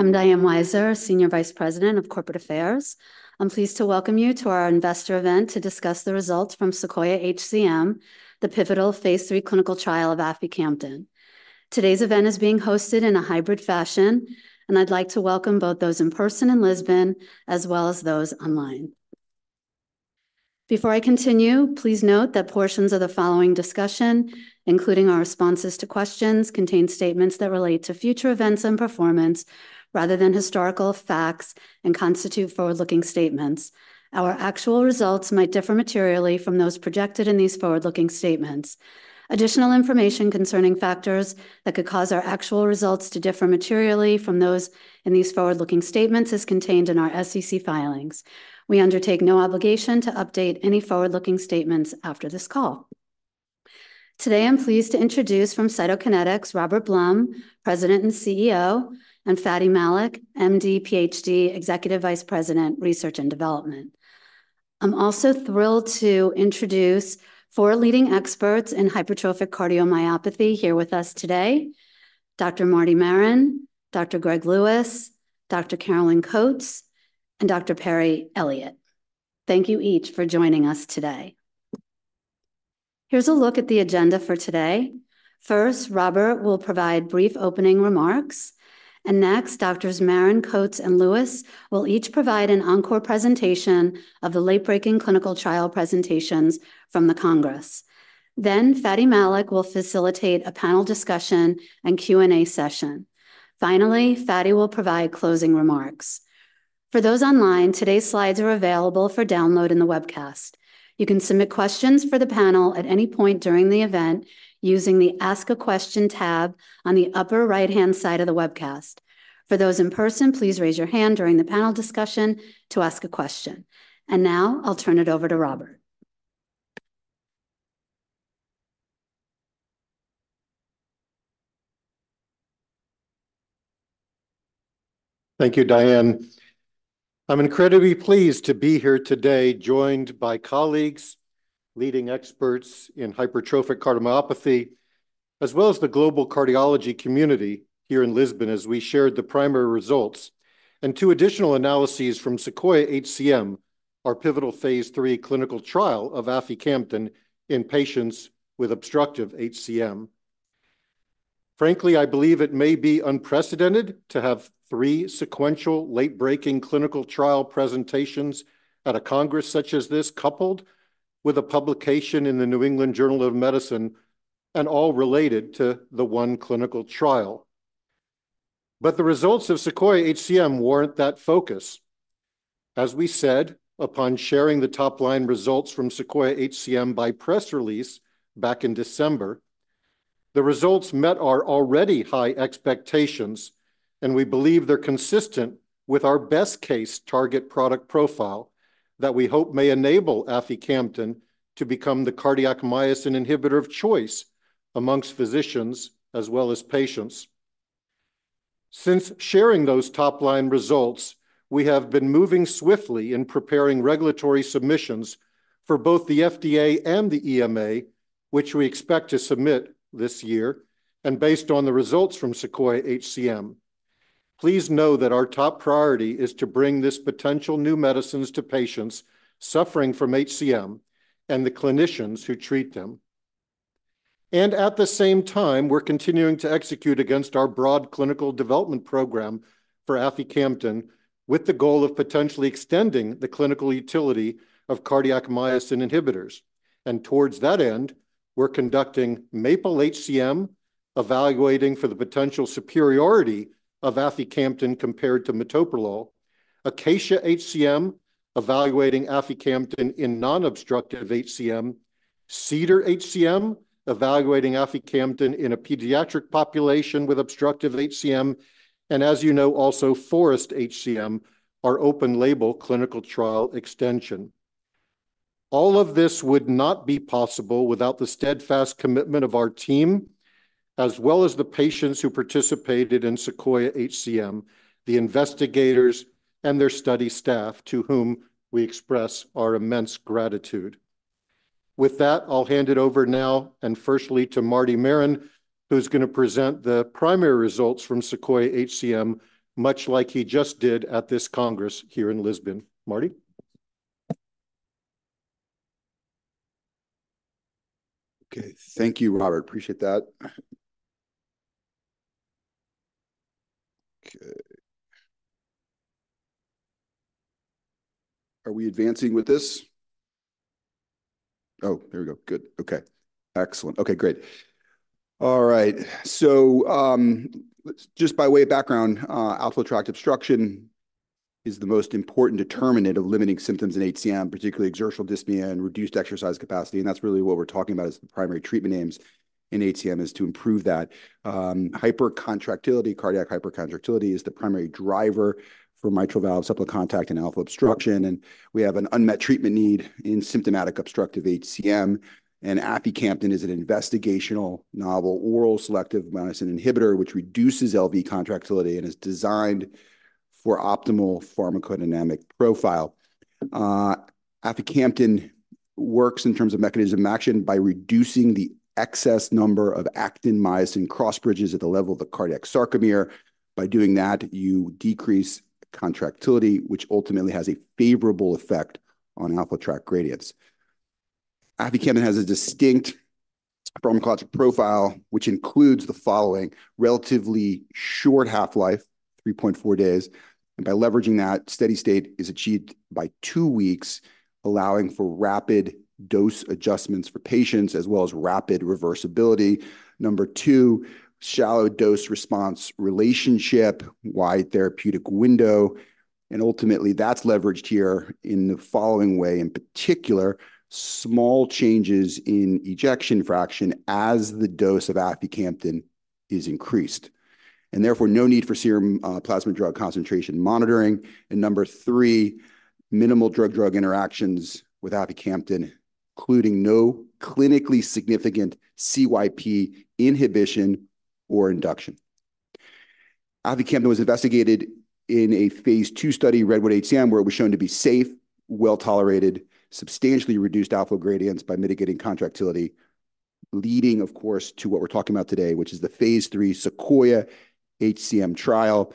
I'm Diane Weiser, Senior Vice President of Corporate Affairs. I'm pleased to welcome you to our investor event to discuss the results from SEQUOIA-HCM, the pivotal phase three clinical trial of aficamten. Today's event is being hosted in a hybrid fashion, and I'd like to welcome both those in person in Lisbon, as well as those online. Before I continue, please note that portions of the following discussion, including our responses to questions, contain statements that relate to future events and performance rather than historical facts and constitute forward-looking statements. Our actual results might differ materially from those projected in these forward-looking statements. Additional information concerning factors that could cause our actual results to differ materially from those in these forward-looking statements is contained in our SEC filings. We undertake no obligation to update any forward-looking statements after this call. Today, I'm pleased to introduce from Cytokinetics, Robert Blum, President and CEO, and Fady Malik, M.D., Ph.D., Executive Vice President, Research and Development. I'm also thrilled to introduce four leading experts in hypertrophic cardiomyopathy here with us today: Dr. Marty Maron, Dr. Greg Lewis, Dr. Caroline Coats, and Dr. Perry Elliott. Thank you each for joining us today. Here's a look at the agenda for today. First, Robert will provide brief opening remarks, and next, Doctors Maron, Coats, and Lewis will each provide an encore presentation of the late-breaking clinical trial presentations from the Congress. Then Fady Malik will facilitate a panel discussion and Q&A session. Finally, Fady will provide closing remarks. For those online, today's slides are available for download in the webcast. You can submit questions for the panel at any point during the event using the Ask a Question tab on the upper right-hand side of the webcast. For those in person, please raise your hand during the panel discussion to ask a question. Now I'll turn it over to Robert. Thank you, Diane. I'm incredibly pleased to be here today, joined by colleagues, leading experts in hypertrophic cardiomyopathy, as well as the global cardiology community here in Lisbon, as we share the primary results and two additional analyses from SEQUOIA-HCM, our pivotal phase three clinical trial of aficamten in patients with obstructive HCM. Frankly, I believe it may be unprecedented to have three sequential late-breaking clinical trial presentations at a congress such as this, coupled with a publication in the New England Journal of Medicine, and all related to the one clinical trial. But the results of SEQUOIA-HCM warrant that focus. As we said, upon sharing the top-line results from SEQUOIA-HCM by press release back in December, the results met our already high expectations, and we believe they're consistent with our best-case target product profile that we hope may enable aficamten to become the cardiac myosin inhibitor of choice amongst physicians as well as patients. Since sharing those top-line results, we have been moving swiftly in preparing regulatory submissions for both the FDA and the EMA, which we expect to submit this year, based on the results from SEQUOIA-HCM. Please know that our top priority is to bring this potential new medicines to patients suffering from HCM and the clinicians who treat them. At the same time, we're continuing to execute against our broad clinical development program for aficamten, with the goal of potentially extending the clinical utility of cardiac myosin inhibitors. Towards that end, we're conducting MAPLE-HCM, evaluating for the potential superiority of aficamten compared to metoprolol, ACACIA-HCM, evaluating aficamten in non-obstructive HCM, CEDAR-HCM, evaluating aficamten in a pediatric population with obstructive HCM, and as you know, also FOREST-HCM, our open-label clinical trial extension. All of this would not be possible without the steadfast commitment of our team, as well as the patients who participated in SEQUOIA-HCM, the investigators, and their study staff, to whom we express our immense gratitude. With that, I'll hand it over now and firstly to Marty Maron, who's gonna present the primary results from SEQUOIA-HCM, much like he just did at this congress here in Lisbon. Marty? Okay. Thank you, Robert. Appreciate that. Okay. Are we advancing with this? Oh, here we go. Good. Okay, excellent. Okay, great. All right, so, just by way of background, outflow tract obstruction is the most important determinant of limiting symptoms in HCM, particularly exertional dyspnea and reduced exercise capacity, and that's really what we're talking about as the primary treatment aims in HCM, is to improve that. Hypercontractility, cardiac hypercontractility is the primary driver for mitral valve septal contact and outflow obstruction, and we have an unmet treatment need in symptomatic obstructive HCM. Aficamten is an investigational, novel, oral selective myosin inhibitor, which reduces LV contractility and is designed for optimal pharmacodynamic profile. Aficamten works in terms of mechanism of action by reducing the excess number of actin-myosin cross-bridges at the level of the cardiac sarcomere. By doing that, you decrease contractility, which ultimately has a favorable effect on outflow tract gradients. Aficamten has a distinct pharmacologic profile, which includes the following: relatively short half-life, 3.4 days, and by leveraging that, steady state is achieved by two weeks, allowing for rapid dose adjustments for patients as well as rapid reversibility. Number two, shallow dose-response relationship, wide therapeutic window, and ultimately, that's leveraged here in the following way. In particular, small changes in ejection fraction as the dose of aficamten is increased, and therefore, no need for serum, plasma drug concentration monitoring. And number three, minimal drug-drug interactions with aficamten, including no clinically significant CYP inhibition or induction. Aficamten was investigated in a phase two study, REDWOOD-HCM, where it was shown to be safe, well-tolerated, substantially reduced outflow gradients by mitigating contractility, leading, of course, to what we're talking about today, which is the phase three SEQUOIA-HCM trial,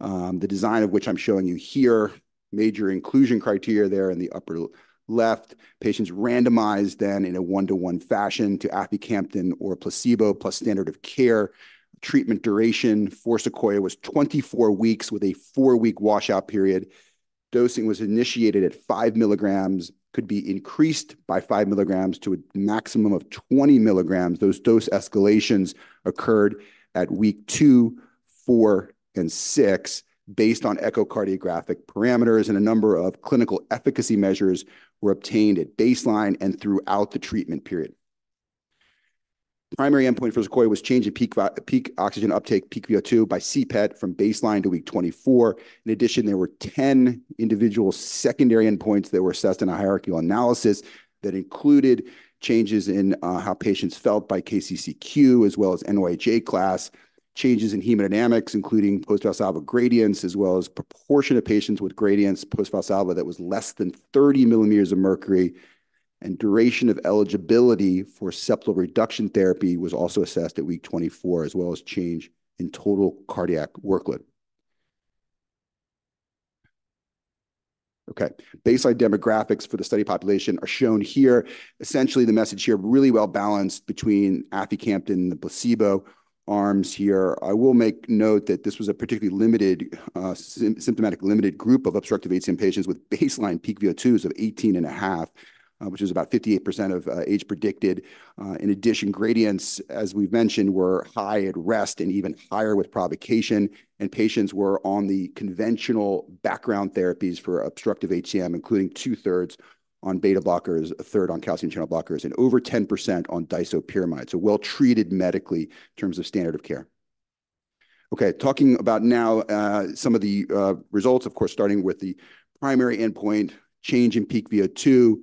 the design of which I'm showing you here. Major inclusion criteria there in the upper left. Patients randomized then in a 1:1 fashion to aficamten or placebo, plus standard of care. Treatment duration for SEQUOIA was 24 weeks, with a 4-week washout period. Dosing was initiated at 5 mg, could be increased by 5 mg to a maximum of 20 mg. Those dose escalations occurred at week 2, 4, and 6 based on echocardiographic parameters, and a number of clinical efficacy measures were obtained at baseline and throughout the treatment period. Primary endpoint for SEQUOIA-HCM was change in peak oxygen uptake, peak VO2, by CPET from baseline to week 24. In addition, there were 10 individual secondary endpoints that were assessed in a hierarchical analysis that included changes in how patients felt by KCCQ, as well as NYHA class. Changes in hemodynamics, including post-Valsalva gradients, as well as proportion of patients with gradients post-Valsalva that was less than 30 millimeters of mercury, and duration of eligibility for septal reduction therapy was also assessed at week 24, as well as change in total cardiac workload. Okay, baseline demographics for the study population are shown here. Essentially, the message here, really well-balanced between aficamten and the placebo arms here. I will make note that this was a particularly symptomatically limited group of obstructive HCM patients with baseline peak VO2s of 18.5, which is about 58% of age predicted. In addition, gradients, as we've mentioned, were high at rest and even higher with provocation, and patients were on the conventional background therapies for obstructive HCM, including 2/3 on beta blockers, a third on calcium channel blockers, and over 10% on disopyramide. So well-treated medically in terms of standard of care. Okay, talking about now some of the results, of course, starting with the primary endpoint, change in peak VO2.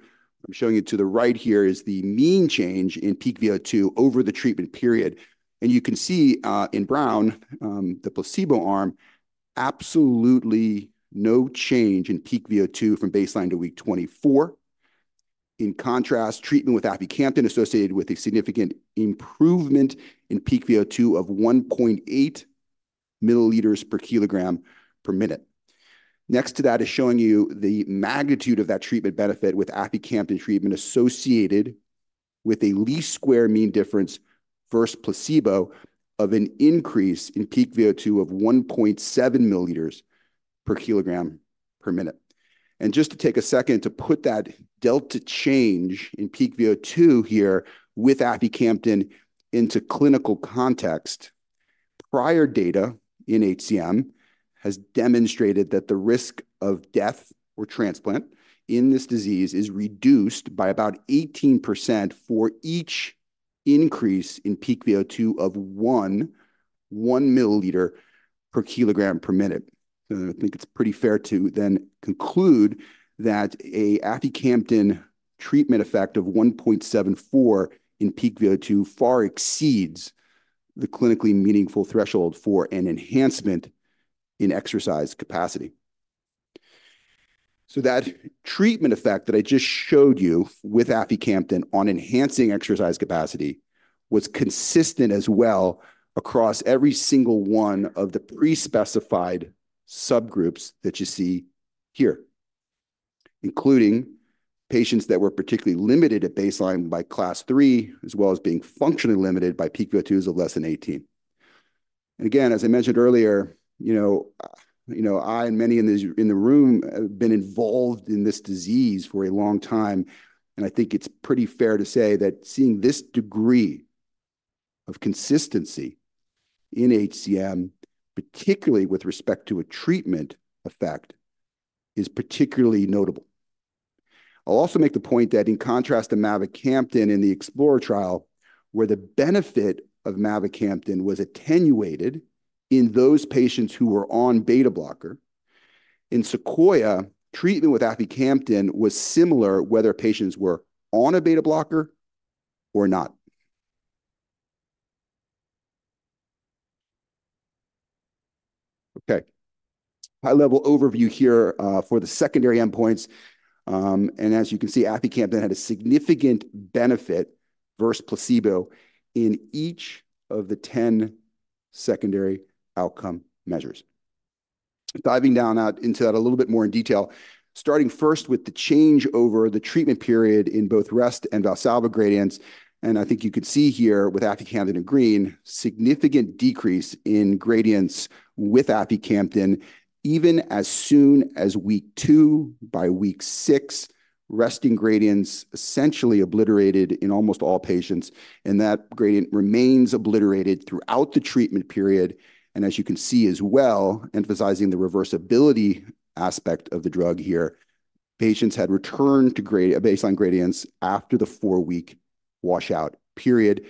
I'm showing you to the right here is the mean change in peak VO2 over the treatment period. You can see, in brown, the placebo arm, absolutely no change in peak VO2 from baseline to week 24. In contrast, treatment with aficamten associated with a significant improvement in peak VO2 of 1.8 milliliters per kilogram per minute. Next to that is showing you the magnitude of that treatment benefit with aficamten treatment associated with a least square mean difference versus placebo of an increase in peak VO2 of 1.7 milliliters per kilogram per minute. Just to take a second to put that delta change in peak VO2 here with aficamten into clinical context, prior data in HCM has demonstrated that the risk of death or transplant in this disease is reduced by about 18% for each increase in peak VO2 of 1 milliliter per kilogram per minute. So I think it's pretty fair to then conclude that an aficamten treatment effect of 1.74 in peak VO2 far exceeds the clinically meaningful threshold for an enhancement in exercise capacity. So that treatment effect that I just showed you with aficamten on enhancing exercise capacity was consistent as well across every single one of the pre-specified subgroups that you see here, including patients that were particularly limited at baseline by Class III, as well as being functionally limited by peak VO2s of less than 18. And again, as I mentioned earlier, you know, you know, I and many in this, in the room have been involved in this disease for a long time, and I think it's pretty fair to say that seeing this degree of consistency in HCM, particularly with respect to a treatment effect, is particularly notable. I'll also make the point that in contrast to mavacamten in the EXPLORER trial, where the benefit of mavacamten was attenuated in those patients who were on beta blocker, in SEQUOIA, treatment with aficamten was similar whether patients were on a beta blocker or not. Okay. High-level overview here, for the secondary endpoints. As you can see, aficamten had a significant benefit versus placebo in each of the 10 secondary outcome measures. Diving down out into that a little bit more in detail, starting first with the change over the treatment period in both rest and Valsalva gradients. I think you can see here with aficamten in green, significant decrease in gradients with aficamten even as soon as week two. By week six, resting gradients essentially obliterated in almost all patients, and that gradient remains obliterated throughout the treatment period. As you can see as well, emphasizing the reversibility aspect of the drug here, patients had returned to baseline gradients after the four-week washout period.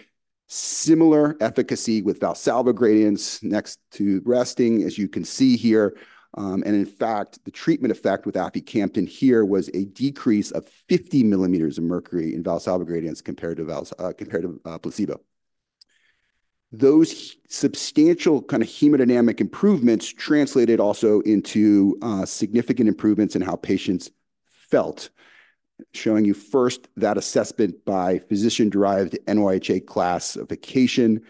Similar efficacy with Valsalva gradients next to resting, as you can see here. And in fact, the treatment effect with aficamten here was a decrease of 50 millimeters of mercury in Valsalva gradients compared to placebo. Those substantial kind of hemodynamic improvements translated also into significant improvements in how patients felt. Showing you first that assessment by physician-derived NYHA class of vacation.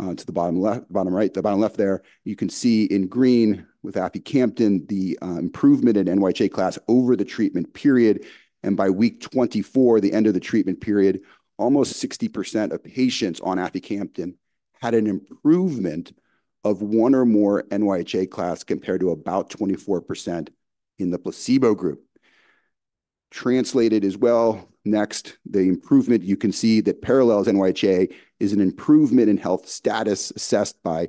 To the bottom left there, you can see in green with aficamten, the improvement in NYHA class over the treatment period. By week 24, the end of the treatment period, almost 60% of patients on aficamten had an improvement of one or more NYHA class, compared to about 24% in the placebo group. Translated as well. Next, the improvement you can see that parallels NYHA is an improvement in health status assessed by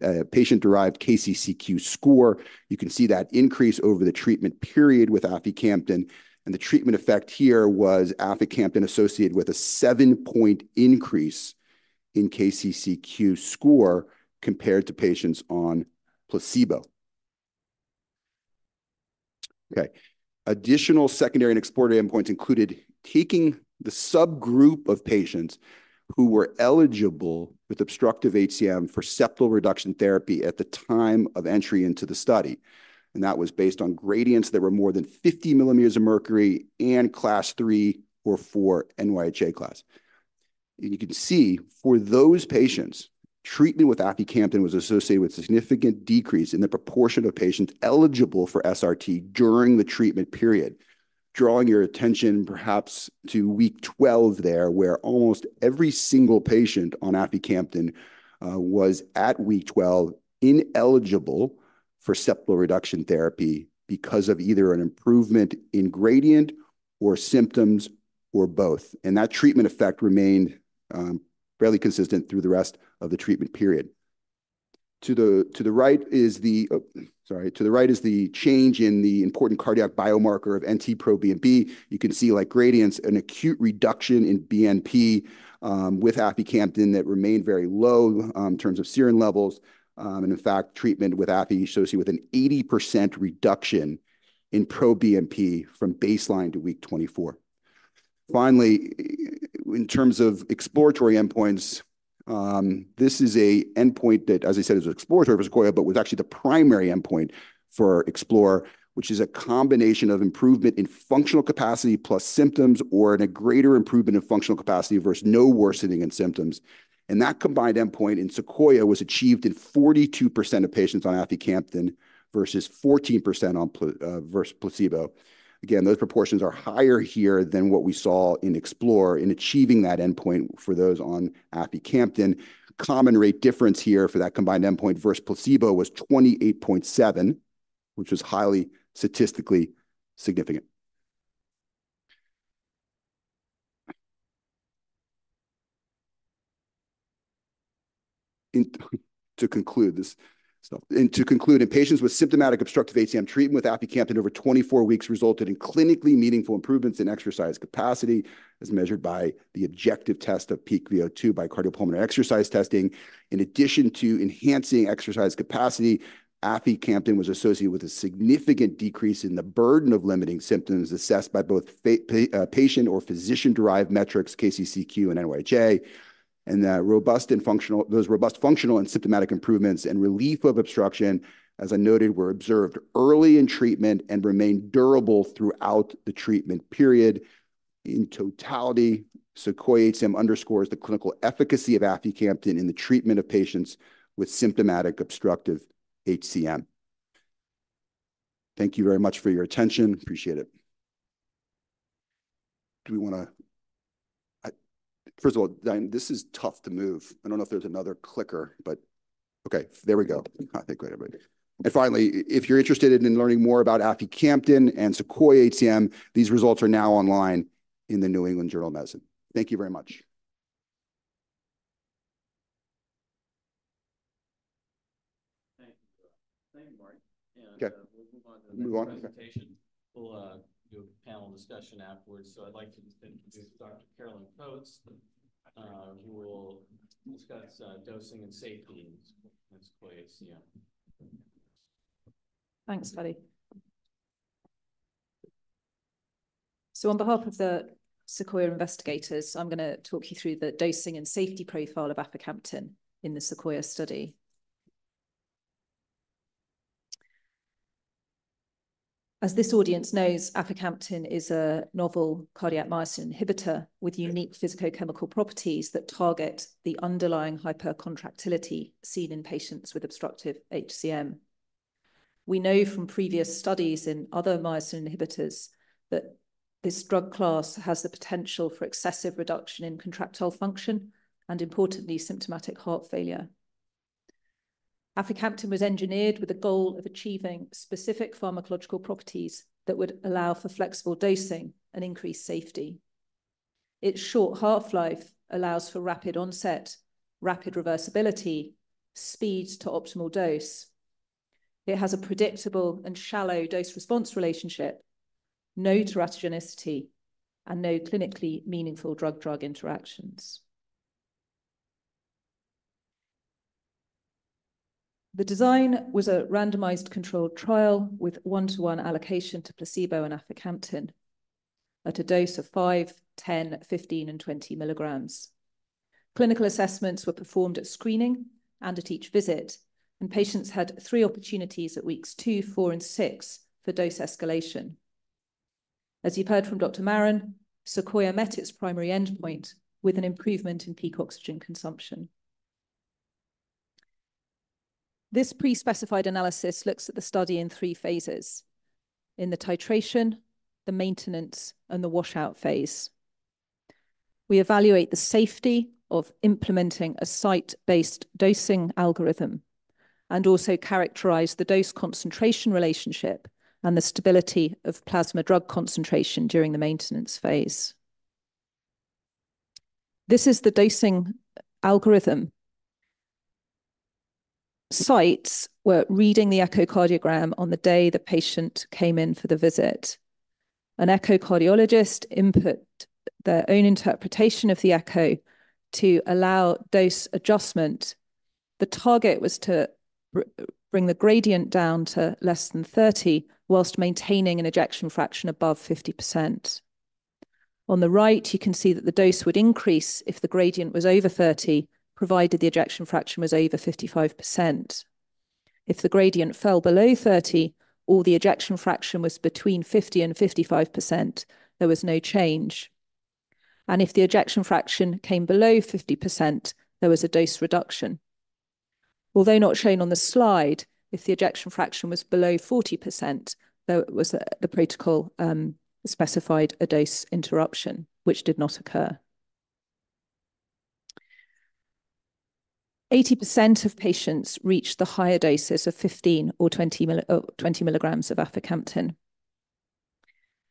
a, a patient-derived KCCQ score. You can see that increase over the treatment period with aficamten, and the treatment effect here was aficamten associated with a 7-point increase in KCCQ score compared to patients on placebo. Okay, additional secondary and exploratory endpoints included taking the subgroup of patients who were eligible with obstructive HCM for septal reduction therapy at the time of entry into the study. And that was based on gradients that were more than 50 millimeters of mercury and class three or four NYHA class. You can see for those patients, treatment with aficamten was associated with significant decrease in the proportion of patients eligible for SRT during the treatment period. Drawing your attention perhaps to week 12 there, where almost every single patient on aficamten was at week 12, ineligible for septal reduction therapy because of either an improvement in gradient or symptoms or both. That treatment effect remained fairly consistent through the rest of the treatment period. To the right is the change in the important cardiac biomarker of NT-proBNP. You can see, like gradients, an acute reduction in BNP with aficamten that remained very low in terms of serum levels. In fact, treatment with afi associated with an 80% reduction in proBNP from baseline to week 24. Finally, in terms of exploratory endpoints, this is an endpoint that, as I said, is exploratory of SEQUOIA, but was actually the primary endpoint for Explore, which is a combination of improvement in functional capacity plus symptoms, or in a greater improvement in functional capacity versus no worsening in symptoms. And that combined endpoint in SEQUOIA was achieved in 42% of patients on aficamten versus 14% on placebo. Again, those proportions are higher here than what we saw in Explore in achieving that endpoint for those on aficamten. Common rate difference here for that combined endpoint versus placebo was 28.7, which was highly statistically significant. To conclude, in patients with symptomatic obstructive HCM, treatment with aficamten over 24 weeks resulted in clinically meaningful improvements in exercise capacity, as measured by the objective test of peak VO2 by cardiopulmonary exercise testing. In addition to enhancing exercise capacity, aficamten was associated with a significant decrease in the burden of limiting symptoms assessed by both patient or physician-derived metrics, KCCQ and NYHA. Those robust functional and symptomatic improvements and relief of obstruction, as I noted, were observed early in treatment and remained durable throughout the treatment period. In totality, SEQUOIA-HCM underscores the clinical efficacy of aficamten in the treatment of patients with symptomatic obstructive HCM. Thank you very much for your attention. Appreciate it. Do we want to... First of all, this is tough to move. I don't know if there's another clicker, but okay, there we go. Oh, thank you, everybody. Finally, if you're interested in learning more about aficamten and SEQUOIA-HCM, these results are now online in the New England Journal of Medicine. Thank you very much. Thank you. Thank you, Marty. Okay. We'll move on to the- Move on. Next presentation. We'll do a panel discussion afterwards. So I'd like to introduce Dr. Caroline Coats, who will discuss dosing and safety in SEQUOIA-HCM. Thanks, Fady.... So on behalf of the SEQUOIA investigators, I'm gonna talk you through the dosing and safety profile of aficamten in the SEQUOIA study. As this audience knows, aficamten is a novel cardiac myosin inhibitor with unique physicochemical properties that target the underlying hypercontractility seen in patients with obstructive HCM. We know from previous studies in other myosin inhibitors that this drug class has the potential for excessive reduction in contractile function and, importantly, symptomatic heart failure. Aficamten was engineered with the goal of achieving specific pharmacological properties that would allow for flexible dosing and increased safety. Its short half-life allows for rapid onset, rapid reversibility, speed to optimal dose. It has a predictable and shallow dose-response relationship, no teratogenicity, and no clinically meaningful drug-drug interactions. The design was a randomized controlled trial with 1:1 allocation to placebo and aficamten at a dose of 5, 10, 15, and 20 milligrams. Clinical assessments were performed at screening and at each visit, and patients had three opportunities at weeks twp, four and six for dose escalation. As you've heard from Dr. Maron, SEQUOIA met its primary endpoint with an improvement in peak oxygen consumption. This pre-specified analysis looks at the study in three phases: in the titration, the maintenance, and the washout phase. We evaluate the safety of implementing a site-based dosing algorithm and also characterize the dose concentration relationship and the stability of plasma drug concentration during the maintenance phase. This is the dosing algorithm. Sites were reading the echocardiogram on the day the patient came in for the visit. An echocardiologist input their own interpretation of the echo to allow dose adjustment. The target was to bring the gradient down to less than 30 while maintaining an ejection fraction above 50%. On the right, you can see that the dose would increase if the gradient was over 30, provided the ejection fraction was over 55%. If the gradient fell below 30 or the ejection fraction was between 50% and 55%, there was no change, and if the ejection fraction came below 50%, there was a dose reduction. Although not shown on the slide, if the ejection fraction was below 40%, the protocol specified a dose interruption, which did not occur. 80% of patients reached the higher doses of 15 or 20 milligrams of aficamten.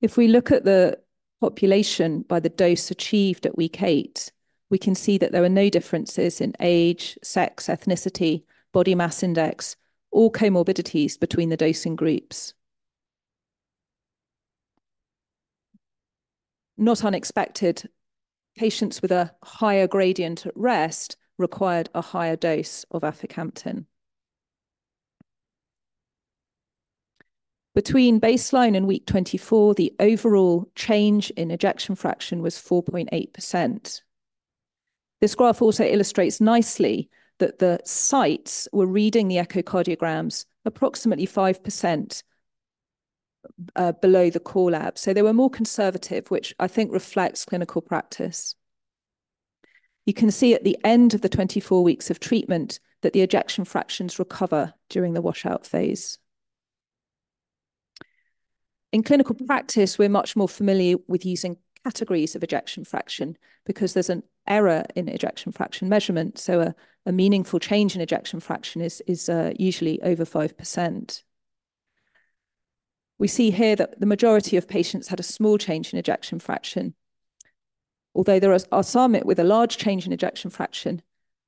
If we look at the population by the dose achieved at week eight, we can see that there are no differences in age, sex, ethnicity, body mass index, or comorbidities between the dosing groups. Not unexpected, patients with a higher gradient at rest required a higher dose of aficamten. Between baseline and week 24, the overall change in ejection fraction was 4.8%. This graph also illustrates nicely that the sites were reading the echocardiograms approximately 5% below the core lab. So they were more conservative, which I think reflects clinical practice. You can see at the end of the 24 weeks of treatment that the ejection fractions recover during the washout phase. In clinical practice, we're much more familiar with using categories of ejection fraction because there's an error in ejection fraction measurement, so a meaningful change in ejection fraction is usually over 5%. We see here that the majority of patients had a small change in ejection fraction. Although there are some with a large change in ejection fraction,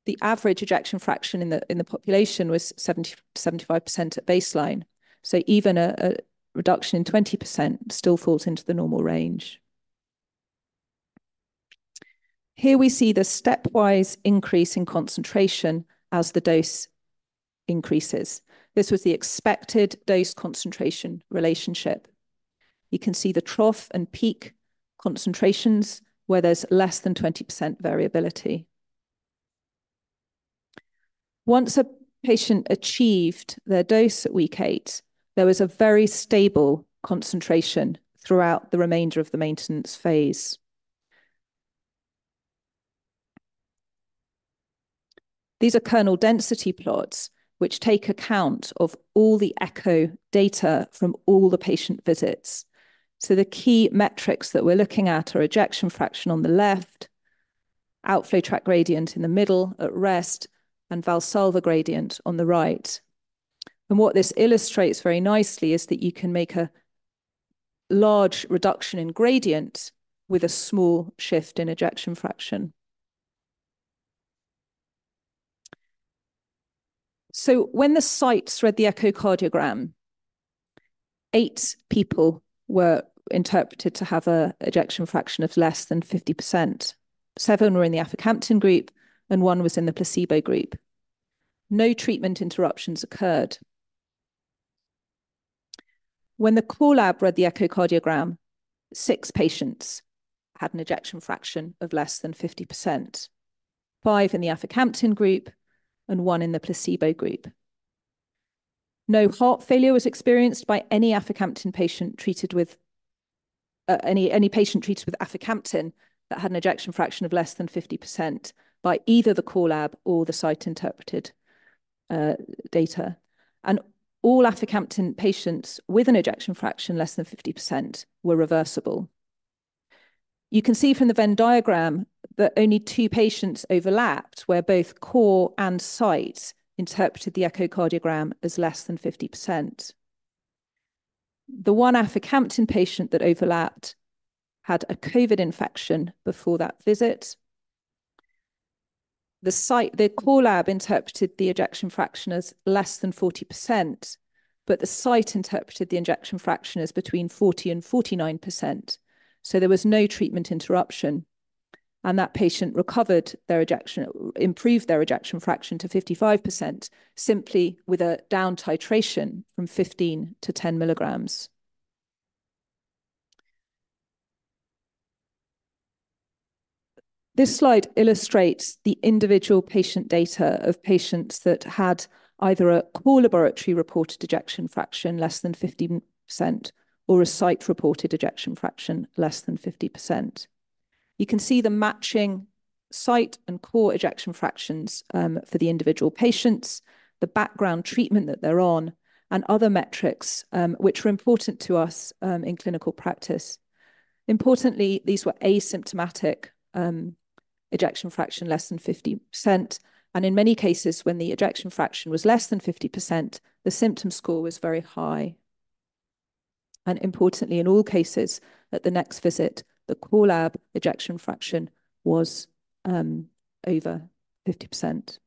the average ejection fraction in the population was 75% at baseline. So even a reduction in 20% still falls into the normal range. Here we see the stepwise increase in concentration as the dose increases. This was the expected dose concentration relationship. You can see the trough and peak concentrations where there's less than 20% variability. Once a patient achieved their dose at week eight, there was a very stable concentration throughout the remainder of the maintenance phase. These are kernel density plots, which take account of all the echo data from all the patient visits. So the key metrics that we're looking at are ejection fraction on the left, outflow tract gradient in the middle at rest, and Valsalva gradient on the right. What this illustrates very nicely is that you can make a large reduction in gradient with a small shift in ejection fraction. So when the sites read the echocardiogram, eight people were interpreted to have an ejection fraction of less than 50%. Seven were in the aficamten group, and one was in the placebo group. No treatment interruptions occurred. When the core lab read the echocardiogram, six patients had an ejection fraction of less than 50%, 5 in the aficamten group and one in the placebo group. No heart failure was experienced by any patient treated with aficamten that had an ejection fraction of less than 50% by either the core lab or the site-interpreted data. All aficamten patients with an ejection fraction less than 50% were reversible. You can see from the Venn diagram that only two patients overlapped, where both core and site interpreted the echocardiogram as less than 50%. The one aficamten patient that overlapped had a COVID infection before that visit. The core lab interpreted the ejection fraction as less than 40%, but the site interpreted the ejection fraction as between 40% and 49%, so there was no treatment interruption. And that patient improved their ejection fraction to 55% simply with a down titration from 15-10 milligrams. This slide illustrates the individual patient data of patients that had either a core laboratory-reported ejection fraction less than 50% or a site-reported ejection fraction less than 50%. You can see the matching site and core ejection fractions for the individual patients, the background treatment that they're on, and other metrics, which were important to us in clinical practice. Importantly, these were asymptomatic, ejection fraction less than 50%, and in many cases, when the ejection fraction was less than 50%, the symptom score was very high. Importantly, in all cases, at the next visit, the core lab ejection fraction was over 50%.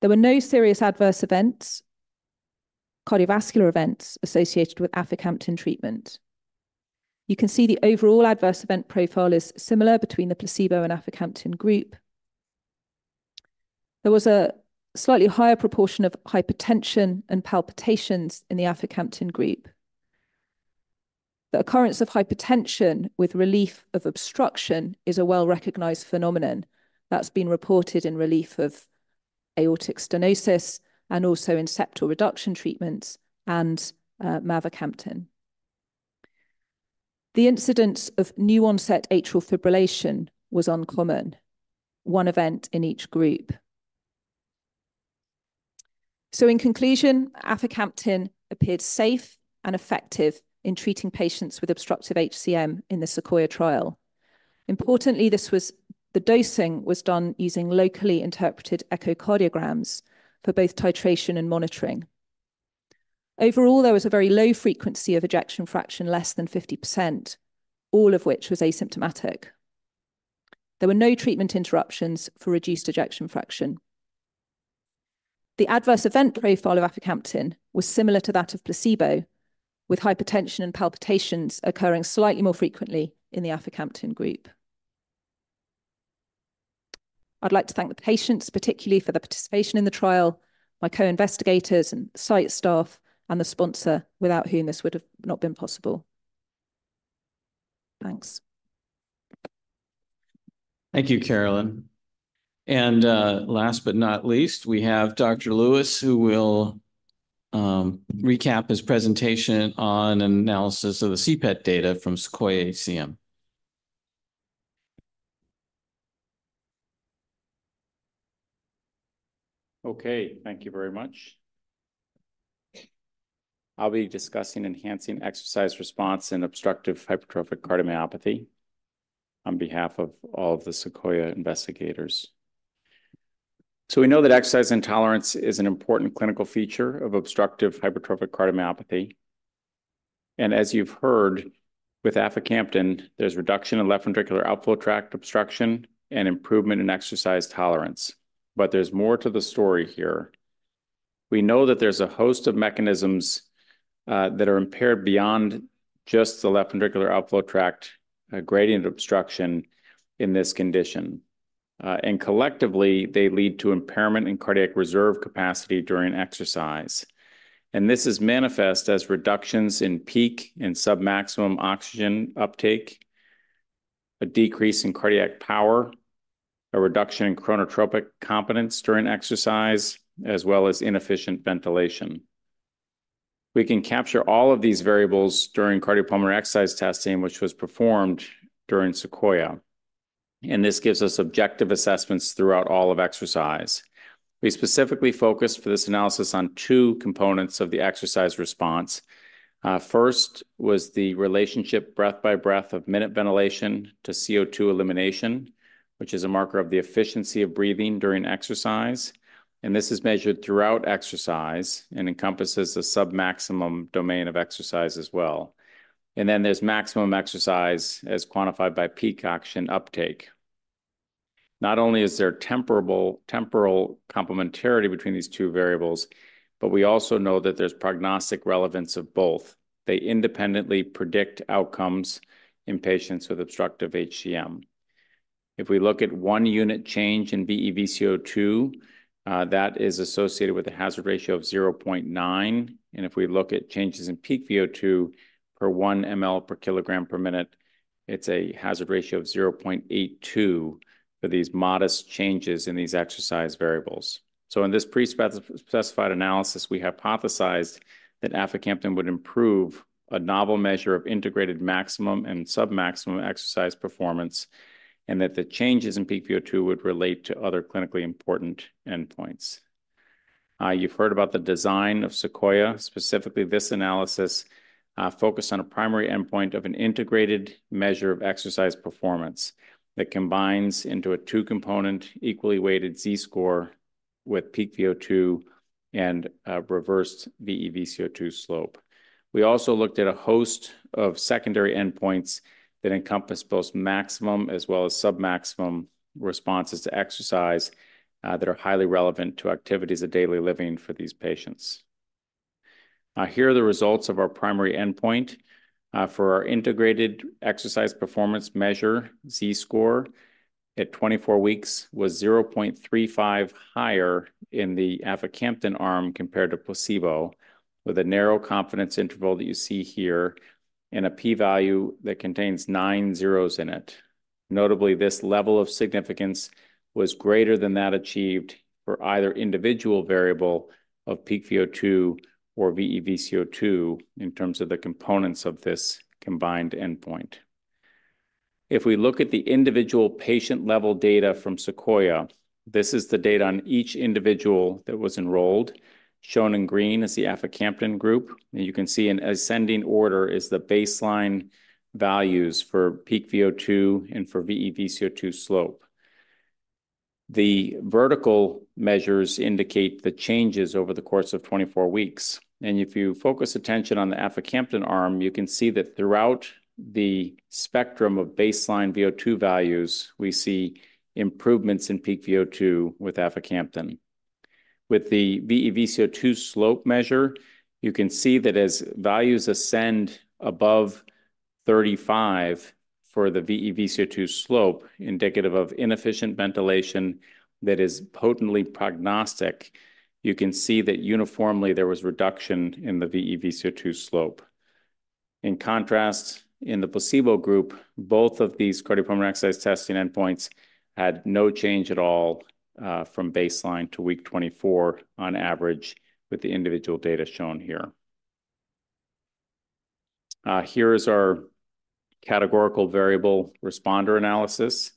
There were no serious adverse events, cardiovascular events associated with aficamten treatment. You can see the overall adverse event profile is similar between the placebo and aficamten group. There was a slightly higher proportion of hypertension and palpitations in the aficamten group. The occurrence of hypertension with relief of obstruction is a well-recognized phenomenon that's been reported in relief of aortic stenosis and also in septal reduction treatments and, mavacamten. The incidence of new-onset atrial fibrillation was uncommon, one event in each group. So in conclusion, aficamten appeared safe and effective in treating patients with obstructive HCM in the SEQUOIA trial. Importantly, this was... the dosing was done using locally interpreted echocardiograms for both titration and monitoring. Overall, there was a very low frequency of ejection fraction less than 50%, all of which was asymptomatic. There were no treatment interruptions for reduced ejection fraction. The adverse event profile of aficamten was similar to that of placebo, with hypertension and palpitations occurring slightly more frequently in the aficamten group. I'd like to thank the patients, particularly for their participation in the trial, my co-investigators and site staff, and the sponsor, without whom this would have not been possible. Thanks. Thank you, Caroline. Last but not least, we have Dr. Lewis, who will recap his presentation on an analysis of the CPET data from SEQUOIA-HCM. Okay, thank you very much. I'll be discussing enhancing exercise response in obstructive hypertrophic cardiomyopathy on behalf of all of the SEQUOIA investigators. So we know that exercise intolerance is an important clinical feature of obstructive hypertrophic cardiomyopathy, and as you've heard, with aficamten, there's reduction in left ventricular outflow tract obstruction and improvement in exercise tolerance. But there's more to the story here. We know that there's a host of mechanisms that are impaired beyond just the left ventricular outflow tract gradient obstruction in this condition. And collectively, they lead to impairment in cardiac reserve capacity during exercise, and this is manifest as reductions in peak and submaximum oxygen uptake, a decrease in cardiac power, a reduction in chronotropic competence during exercise, as well as inefficient ventilation. We can capture all of these variables during cardiopulmonary exercise testing, which was performed during SEQUOIA-HCM, and this gives us objective assessments throughout all of exercise. We specifically focused for this analysis on two components of the exercise response. First was the relationship, breath by breath, of minute ventilation to CO2 elimination, which is a marker of the efficiency of breathing during exercise, and this is measured throughout exercise and encompasses the submaximum domain of exercise as well. And then there's maximum exercise as quantified by peak oxygen uptake. Not only is there temporal complementarity between these two variables, but we also know that there's prognostic relevance of both. They independently predict outcomes in patients with obstructive HCM. If we look at one unit change in VE/VCO2, that is associated with a hazard ratio of 0.9. If we look at changes in peak VO2 per 1 ml per kilogram per minute, it's a hazard ratio of 0.82 for these modest changes in these exercise variables. So in this pre-speci-specified analysis, we hypothesized that aficamten would improve a novel measure of integrated maximum and submaximum exercise performance, and that the changes in peak VO2 would relate to other clinically important endpoints. You've heard about the design of SEQUOIA. Specifically, this analysis focused on a primary endpoint of an integrated measure of exercise performance that combines into a two-component, equally weighted Z-score with peak VO2 and reversed VE/VCO2 slope. We also looked at a host of secondary endpoints that encompass both maximum as well as submaximum responses to exercise that are highly relevant to activities of daily living for these patients. Here are the results of our primary endpoint. For our integrated exercise performance measure, z-score at 24 weeks was 0.35 higher in the aficamten arm compared to placebo, with a narrow confidence interval that you see here and a p-value that contains nine zeros in it. Notably, this level of significance was greater than that achieved for either individual variable of peak VO2 or VE/VCO2 in terms of the components of this combined endpoint. If we look at the individual patient-level data from SEQUOIA, this is the data on each individual that was enrolled. Shown in green is the aficamten group. You can see in ascending order is the baseline values for peak VO2 and for VE/VCO2 slope. The vertical measures indicate the changes over the course of 24 weeks. If you focus attention on the aficamten arm, you can see that throughout the spectrum of baseline VO2 values, we see improvements in peak VO2 with aficamten. With the VE/VCO2 slope measure, you can see that as values ascend above 35 for the VE/VCO2 slope, indicative of inefficient ventilation that is potently prognostic, you can see that uniformly there was reduction in the VE/VCO2 slope. In contrast, in the placebo group, both of these cardiopulmonary exercise testing endpoints had no change at all from baseline to week 24 on average, with the individual data shown here. Here is our categorical variable responder analysis.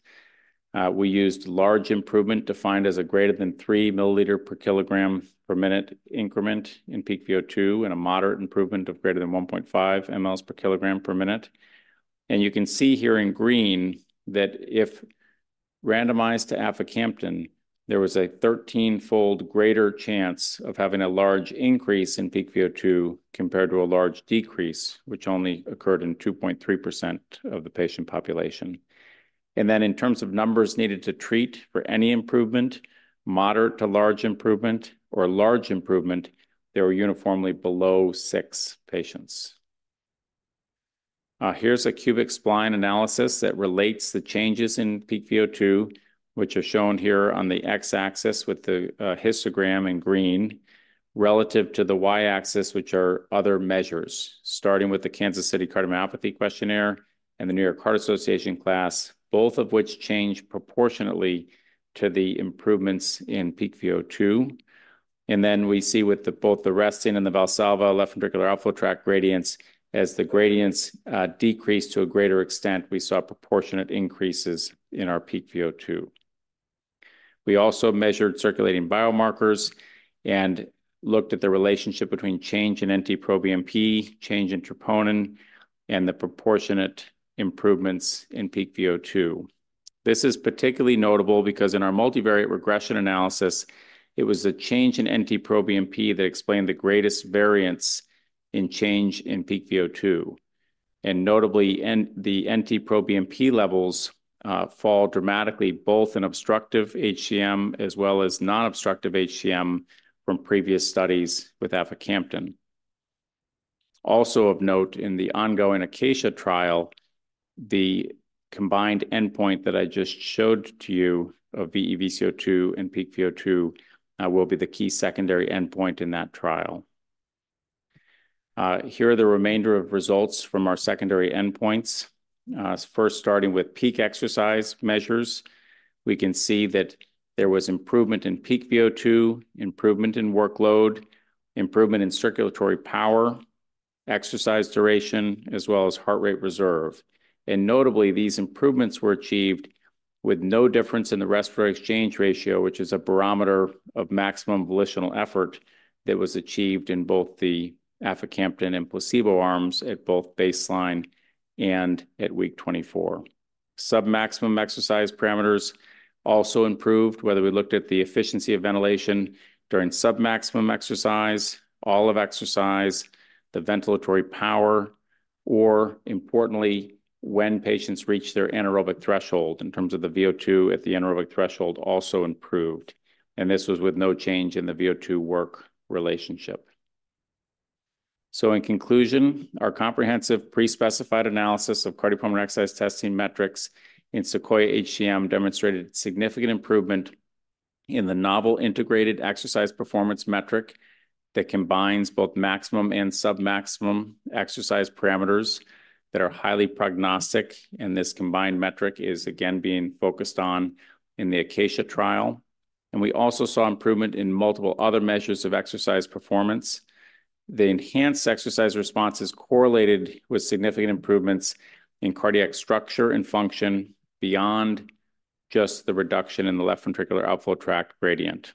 We used large improvement, defined as a greater than 3 milliliter per kilogram per minute increment in peak VO2, and a moderate improvement of greater than 1.5 mls per kilogram per minute. And you can see here in green that if randomized to aficamten, there was a 13-fold greater chance of having a large increase in peak VO2 compared to a large decrease, which only occurred in 2.3% of the patient population. And then in terms of numbers needed to treat for any improvement, moderate to large improvement or large improvement, they were uniformly below six patients. Here's a cubic spline analysis that relates the changes in peak VO2, which are shown here on the X-axis with the histogram in green, relative to the Y-axis, which are other measures, starting with the Kansas City Cardiomyopathy Questionnaire and the New York Heart Association class, both of which change proportionately to the improvements in peak VO2. And then we see with both the resting and the Valsalva left ventricular outflow tract gradients, as the gradients decrease to a greater extent, we saw proportionate increases in our peak VO2. We also measured circulating biomarkers and looked at the relationship between change in NT-proBNP, change in troponin, and the proportionate improvements in peak VO2. This is particularly notable because in our multivariate regression analysis, it was a change in NT-proBNP that explained the greatest variance in change in peak VO2. And notably, the NT-proBNP levels fall dramatically, both in obstructive HCM as well as non-obstructive HCM from previous studies with aficamten. Also of note, in the ongoing ACACIA trial, the combined endpoint that I just showed to you of VE/VCO2 and peak VO2 will be the key secondary endpoint in that trial. Here are the remainder of results from our secondary endpoints. First, starting with peak exercise measures, we can see that there was improvement in peak VO2, improvement in workload, improvement in circulatory power, exercise duration, as well as heart rate reserve. And notably, these improvements were achieved with no difference in the respiratory exchange ratio, which is a barometer of maximum volitional effort that was achieved in both the aficamten and placebo arms at both baseline and at week 24. Submaximum exercise parameters also improved, whether we looked at the efficiency of ventilation during submaximum exercise, all of exercise, the ventilatory power, or importantly, when patients reach their anaerobic threshold in terms of the VO2 at the anaerobic threshold also improved, and this was with no change in the VO2 work relationship. ... So in conclusion, our comprehensive pre-specified analysis of cardiopulmonary exercise testing metrics in SEQUOIA-HCM demonstrated significant improvement in the novel integrated exercise performance metric that combines both maximum and submaximum exercise parameters that are highly prognostic, and this combined metric is again being focused on in the ACACIA-HCM trial. And we also saw improvement in multiple other measures of exercise performance. The enhanced exercise responses correlated with significant improvements in cardiac structure and function beyond just the reduction in the left ventricular outflow tract gradient.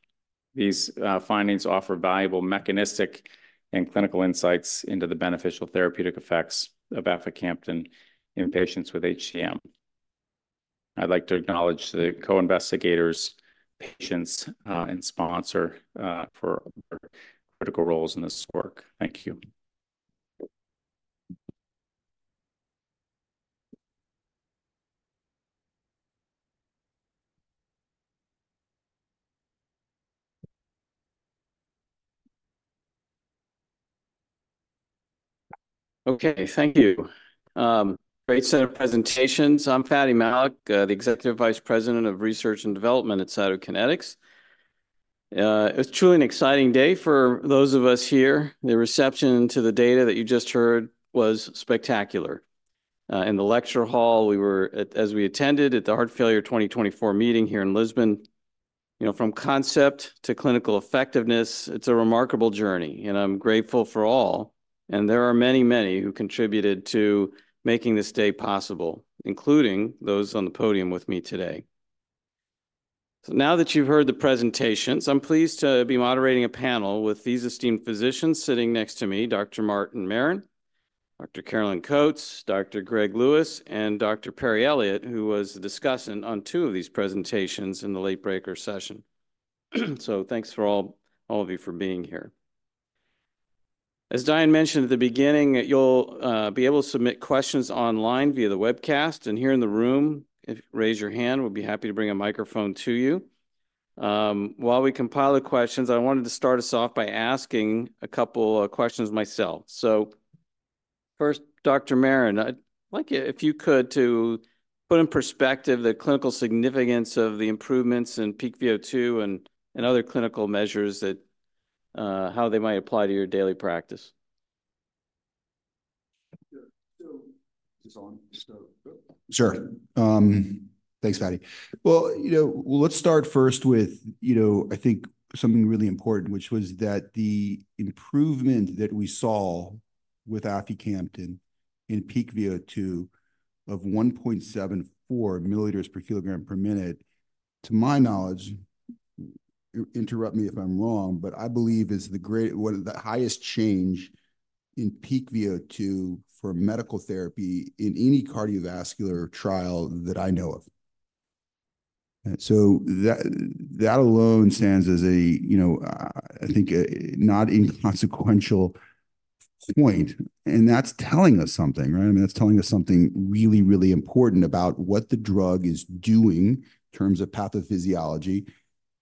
These findings offer valuable mechanistic and clinical insights into the beneficial therapeutic effects of aficamten in patients with HCM. I'd like to acknowledge the co-investigators, patients, and sponsor for their critical roles in this work. Thank you. Okay, thank you. Great set of presentations. I'm Fady Malik, the Executive Vice President of research and development at Cytokinetics. It's truly an exciting day for those of us here. The reception to the data that you just heard was spectacular. In the lecture hall, as we attended the Heart Failure 2024 meeting here in Lisbon, you know, from concept to clinical effectiveness, it's a remarkable journey, and I'm grateful for all. There are many, many who contributed to making this day possible, including those on the podium with me today. Now that you've heard the presentations, I'm pleased to be moderating a panel with these esteemed physicians sitting next to me, Dr. Martin Maron, Dr. Caroline Coats, Dr. Greg Lewis, and Dr. Perry Elliott, who was the discussant on two of these presentations in the late-breaker session. Thanks for all, all of you for being here. As Diane mentioned at the beginning, you'll be able to submit questions online via the webcast, and here in the room, if you raise your hand, we'll be happy to bring a microphone to you. While we compile the questions, I wanted to start us off by asking a couple of questions myself. So first, Dr. Maron, I'd like you, if you could, to put in perspective the clinical significance of the improvements in peak VO2 and, and other clinical measures that how they might apply to your daily practice. Thanks, Fady. Well, you know, let's start first with, you know, I think something really important, which was that the improvement that we saw with aficamten in peak VO2 of 1.74 milliliters per kilogram per minute, to my knowledge, interrupt me if I'm wrong, but I believe is one of the highest change in peak VO2 for medical therapy in any cardiovascular trial that I know of. So that, that alone stands as a, you know, I think a not inconsequential point, and that's telling us something, right? I mean, that's telling us something really, really important about what the drug is doing in terms of pathophysiology.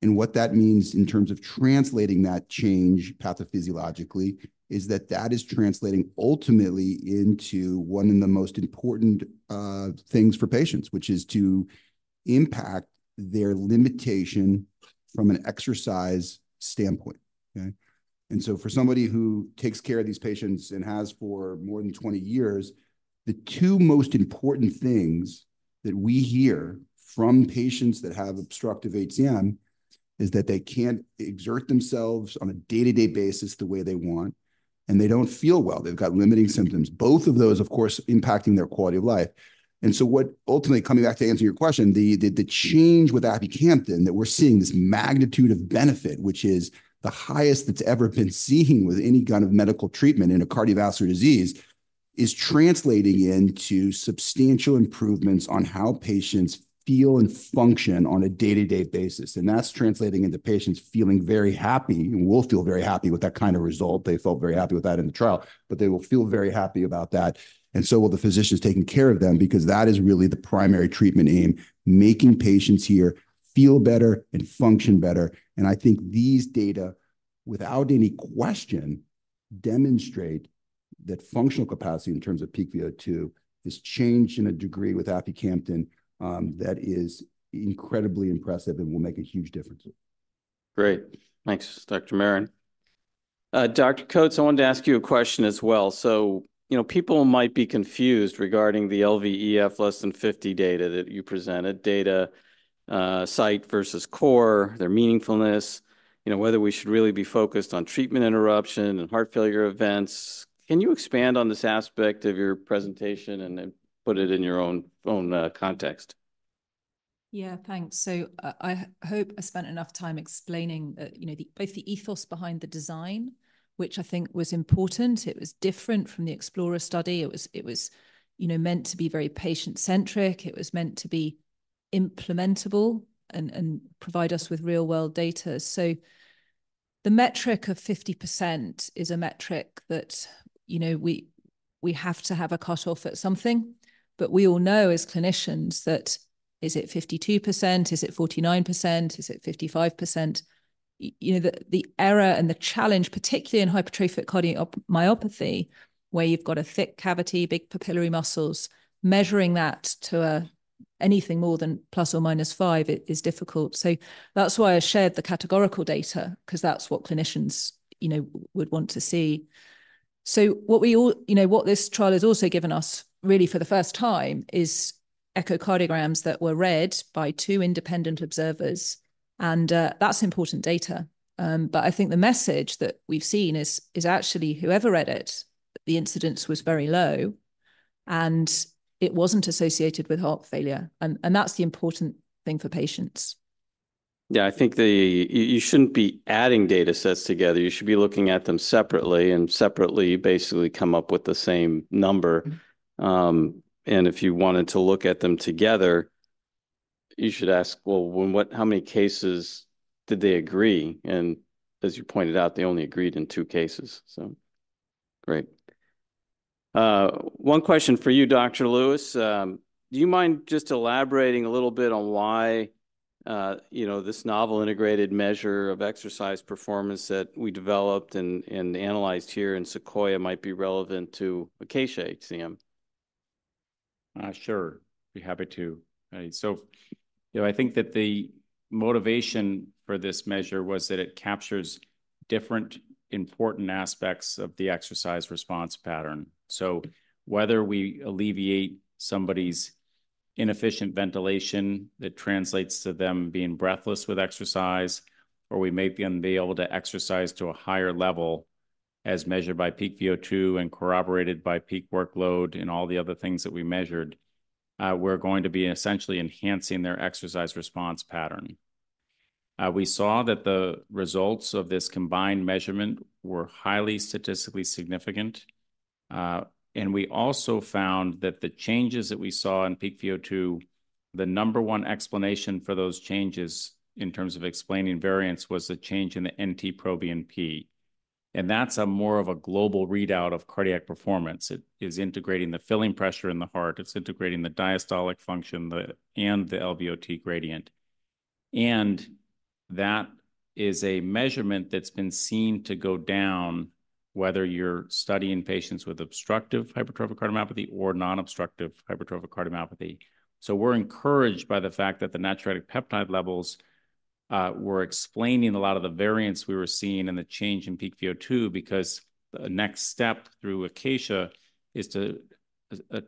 And what that means in terms of translating that change pathophysiologically is that that is translating ultimately into one of the most important things for patients, which is to impact their limitation from an exercise standpoint, okay? And so for somebody who takes care of these patients and has for more than 20 years, the two most important things that we hear from patients that have obstructive HCM is that they can't exert themselves on a day-to-day basis the way they want, and they don't feel well. They've got limiting symptoms. Both of those, of course, impacting their quality of life. Ultimately, coming back to answer your question, the change with aficamten that we're seeing, this magnitude of benefit, which is the highest that's ever been seen with any kind of medical treatment in a cardiovascular disease, is translating into substantial improvements on how patients feel and function on a day-to-day basis. And that's translating into patients feeling very happy and will feel very happy with that kind of result. They felt very happy with that in the trial, but they will feel very happy about that, and so will the physicians taking care of them because that is really the primary treatment aim: making patients here feel better and function better. I think these data, without any question, demonstrate that functional capacity in terms of peak VO2 is changed in a degree with aficamten that is incredibly impressive and will make a huge difference. Great. Thanks, Dr. Maron. Dr. Coats, I wanted to ask you a question as well. So, you know, people might be confused regarding the LVEF less than 50 data that you presented, data, site versus core, their meaningfulness, you know, whether we should really be focused on treatment interruption and heart failure events. Can you expand on this aspect of your presentation and then put it in your own context? Yeah, thanks. So I hope I spent enough time explaining, you know, both the ethos behind the design, which I think was important. It was different from the Explorer study. It was, you know, meant to be very patient-centric. It was meant to be implementable and provide us with real-world data. So the metric of 50% is a metric that, you know, we-... we have to have a cutoff at something. But we all know as clinicians that, is it 52%? Is it 49%? Is it 55%? You know, the error and the challenge, particularly in hypertrophic cardiomyopathy, where you've got a thick cavity, big papillary muscles, measuring that to anything more than plus or minus five is difficult. So that's why I shared the categorical data, 'cause that's what clinicians, you know, would want to see. So what we all you know, what this trial has also given us, really for the first time, is echocardiograms that were read by two independent observers, and that's important data. But I think the message that we've seen is actually whoever read it, the incidence was very low, and it wasn't associated with heart failure, and that's the important thing for patients. Yeah, I think you shouldn't be adding datasets together. You should be looking at them separately, and separately, basically come up with the same number. And if you wanted to look at them together, you should ask: Well, when, how many cases did they agree? And as you pointed out, they only agreed in two cases. So great. One question for you, Dr. Lewis. Do you mind just elaborating a little bit on why, you know, this novel integrated measure of exercise performance that we developed and analyzed here in SEQUOIA-HCM might be relevant to ACACIA-HCM? Sure. Be happy to. So you know, I think that the motivation for this measure was that it captures different important aspects of the exercise response pattern. So whether we alleviate somebody's inefficient ventilation, that translates to them being breathless with exercise, or we make them be able to exercise to a higher level, as measured by peak VO2 and corroborated by peak workload and all the other things that we measured, we're going to be essentially enhancing their exercise response pattern. We saw that the results of this combined measurement were highly statistically significant. And we also found that the changes that we saw in peak VO2, the number one explanation for those changes in terms of explaining variance was the change in the NT-proBNP, and that's more of a global readout of cardiac performance. It is integrating the filling pressure in the heart; it's integrating the diastolic function and the LVOT gradient. That is a measurement that's been seen to go down, whether you're studying patients with obstructive hypertrophic cardiomyopathy or non-obstructive hypertrophic cardiomyopathy. We're encouraged by the fact that the natriuretic peptide levels were explaining a lot of the variance we were seeing and the change in peak VO2, because the next step through Acacia is to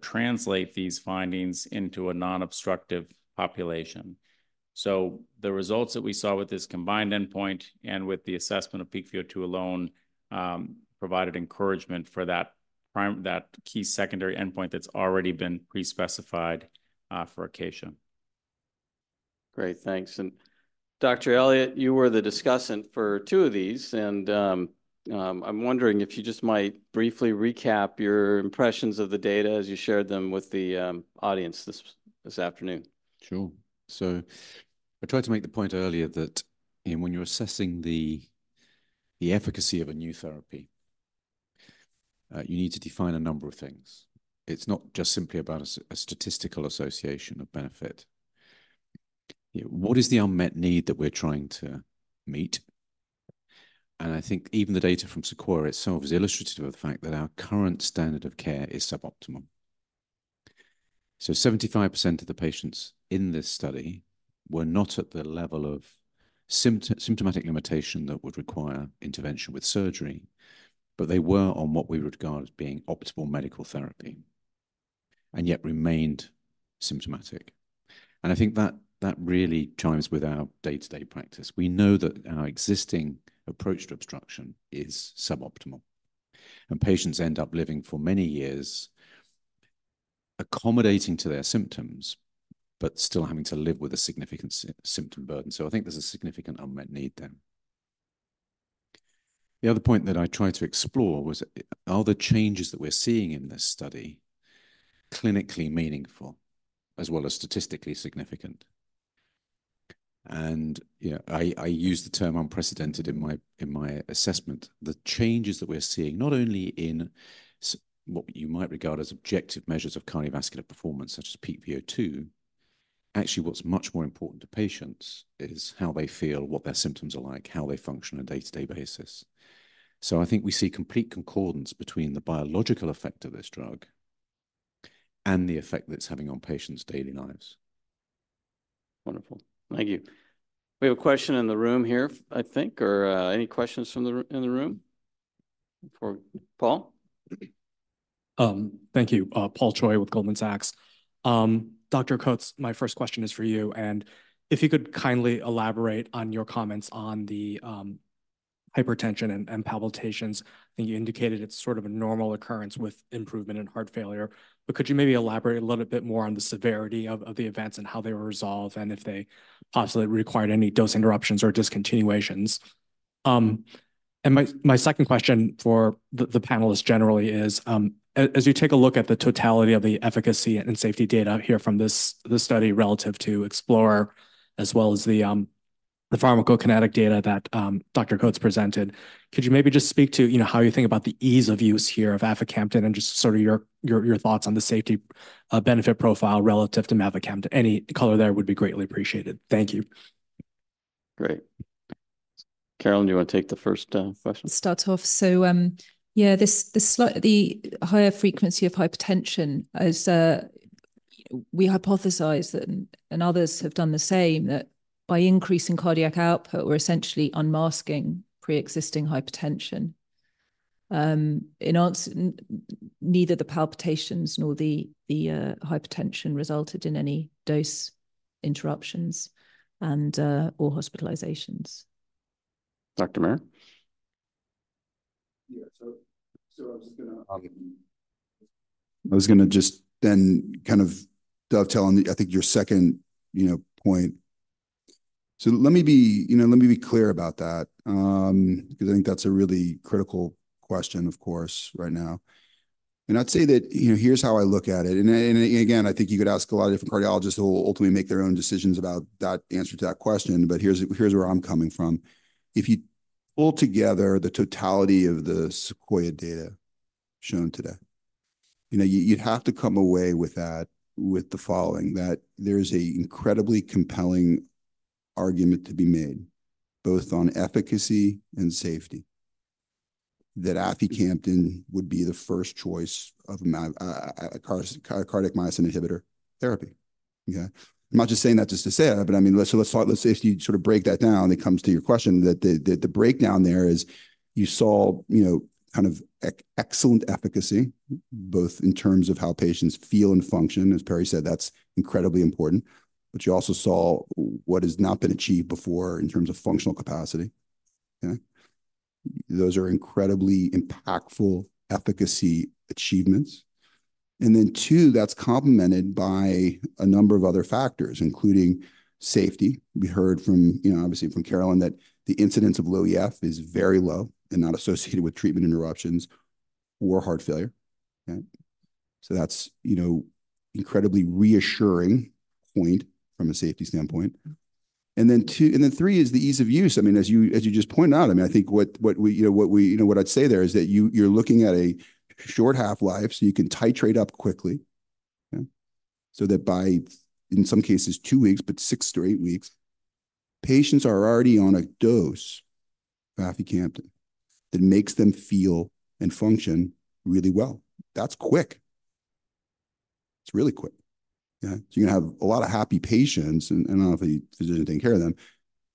translate these findings into a non-obstructive population. The results that we saw with this combined endpoint and with the assessment of peak VO2 alone provided encouragement for that key secondary endpoint that's already been pre-specified for Acacia. Great, thanks. And Dr. Elliott, you were the discussant for two of these, and I'm wondering if you just might briefly recap your impressions of the data as you shared them with the audience this afternoon? Sure. So I tried to make the point earlier that, you know, when you're assessing the, the efficacy of a new therapy, you need to define a number of things. It's not just simply about a statistical association of benefit. What is the unmet need that we're trying to meet? And I think even the data from SEQUOIA itself is illustrative of the fact that our current standard of care is suboptimal. So 75% of the patients in this study were not at the level of symptomatic limitation that would require intervention with surgery, but they were on what we would regard as being optimal medical therapy, and yet remained symptomatic. And I think that, that really chimes with our day-to-day practice. We know that our existing approach to obstruction is suboptimal, and patients end up living for many years accommodating to their symptoms, but still having to live with a significant symptom burden. So I think there's a significant unmet need there. The other point that I tried to explore was, are the changes that we're seeing in this study clinically meaningful as well as statistically significant? And, you know, I, I use the term unprecedented in my, in my assessment. The changes that we're seeing, not only in what you might regard as objective measures of cardiovascular performance, such as peak VO2... Actually, what's much more important to patients is how they feel, what their symptoms are like, how they function on a day-to-day basis. I think we see complete concordance between the biological effect of this drug and the effect that it's having on patients' daily lives. Wonderful. Thank you. We have a question in the room here, I think, or any questions from the room? For Paul. Thank you. Paul Choi with Goldman Sachs. Dr. Coats, my first question is for you, and if you could kindly elaborate on your comments on the hypertension and palpitations. I think you indicated it's sort of a normal occurrence with improvement in heart failure, but could you maybe elaborate a little bit more on the severity of the events and how they were resolved, and if they possibly required any dose interruptions or discontinuations? And my second question for the panelists generally is, as you take a look at the totality of the efficacy and safety data here from this study relative to Explorer, as well as the, ... the pharmacokinetic data that Dr. Coats presented. Could you maybe just speak to, you know, how you think about the ease of use here of aficamten and just sort of your thoughts on the safety, benefit profile relative to mavacamten? Any color there would be greatly appreciated. Thank you. Great. Caroline, do you want to take the first question? Start off. So, yeah, this, the higher frequency of hypotension is, we hypothesize, and others have done the same, that by increasing cardiac output, we're essentially unmasking pre-existing hypotension. In answer, neither the palpitations nor the hypotension resulted in any dose interruptions and or hospitalizations. Dr. Maron? Yeah, so I was just gonna... I was gonna just then kind of dovetail on the, I think, your second, you know, point. So let me be, you know, let me be clear about that, because I think that's a really critical question, of course, right now. And I'd say that, you know, here's how I look at it, and again, I think you could ask a lot of different cardiologists who will ultimately make their own decisions about that answer to that question, but here's where I'm coming from. If you pull together the totality of the SEQUOIA data shown today, you know, you'd have to come away with that with the following, that there's a incredibly compelling argument to be made, both on efficacy and safety, that aficamten would be the first choice of my, a cardiac myosin inhibitor therapy. Okay? I'm not just saying that just to say it, but I mean, let's, let's talk, let's say if you sort of break that down, it comes to your question, that the, the, the breakdown there is you saw, you know, kind of excellent efficacy, both in terms of how patients feel and function. As Perry said, that's incredibly important. But you also saw what has not been achieved before in terms of functional capacity, okay? Those are incredibly impactful efficacy achievements. And then two, that's complemented by a number of other factors, including safety. We heard from, you know, obviously from Caroline, that the incidence of LVEF is very low and not associated with treatment interruptions or heart failure, okay? So that's, you know, incredibly reassuring point from a safety standpoint. And then two-- and then three is the ease of use. I mean, as you just pointed out, I mean, I think what we, you know, what I'd say there is that you're looking at a short half-life, so you can titrate up quickly, okay? So that by, in some cases, two weeks, but six to eight weeks, patients are already on a dose of aficamten that makes them feel and function really well. That's quick. It's really quick, yeah. So you're gonna have a lot of happy patients, and I don't know if the physicians are taking care of them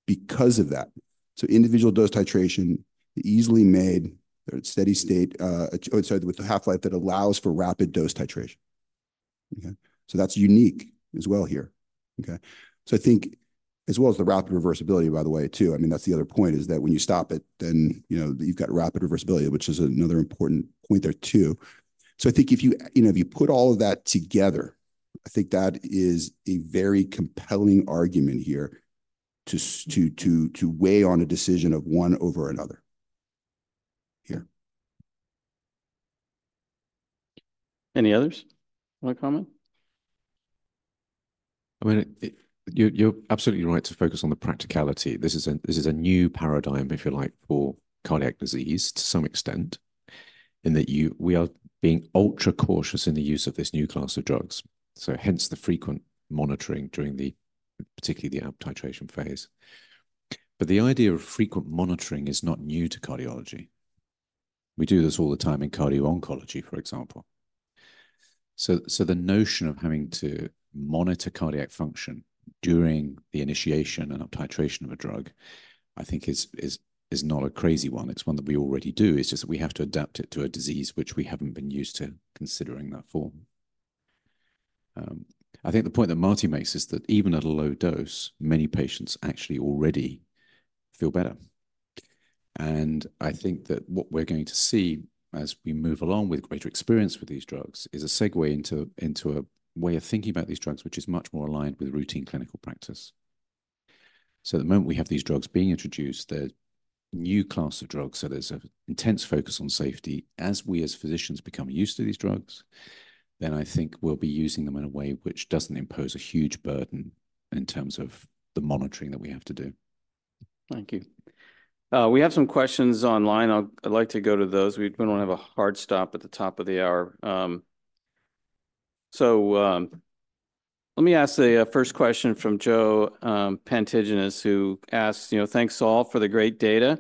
because of that. So individual dose titration, easily made, steady state with the half-life that allows for rapid dose titration. Okay, so that's unique as well here. Okay? So I think as well as the rapid reversibility, by the way, too, I mean, that's the other point, is that when you stop it, then, you know, you've got rapid reversibility, which is another important point there, too. So I think if you, you know, if you put all of that together, I think that is a very compelling argument here to weigh on a decision of one over another here. Any others want to comment? I mean, you're absolutely right to focus on the practicality. This is a new paradigm, if you like, for cardiac disease to some extent, in that you, we are being ultra-cautious in the use of this new class of drugs, so hence the frequent monitoring during the, particularly the up titration phase. But the idea of frequent monitoring is not new to cardiology. We do this all the time in cardio-oncology, for example. So the notion of having to monitor cardiac function during the initiation and up titration of a drug, I think is not a crazy one. It's one that we already do. It's just we have to adapt it to a disease which we haven't been used to considering that for. I think the point that Marty makes is that even at a low dose, many patients actually already feel better. I think that what we're going to see as we move along with greater experience with these drugs is a segue into a way of thinking about these drugs, which is much more aligned with routine clinical practice. At the moment, we have these drugs being introduced, they're new class of drugs, so there's an intense focus on safety. As we, as physicians become used to these drugs, then I think we'll be using them in a way which doesn't impose a huge burden in terms of the monitoring that we have to do. Thank you. We have some questions online. I'd like to go to those. We wanna have a hard stop at the top of the hour. So, let me ask the first question from Joe Pantginis, who asks, you know, "Thanks, all, for the great data.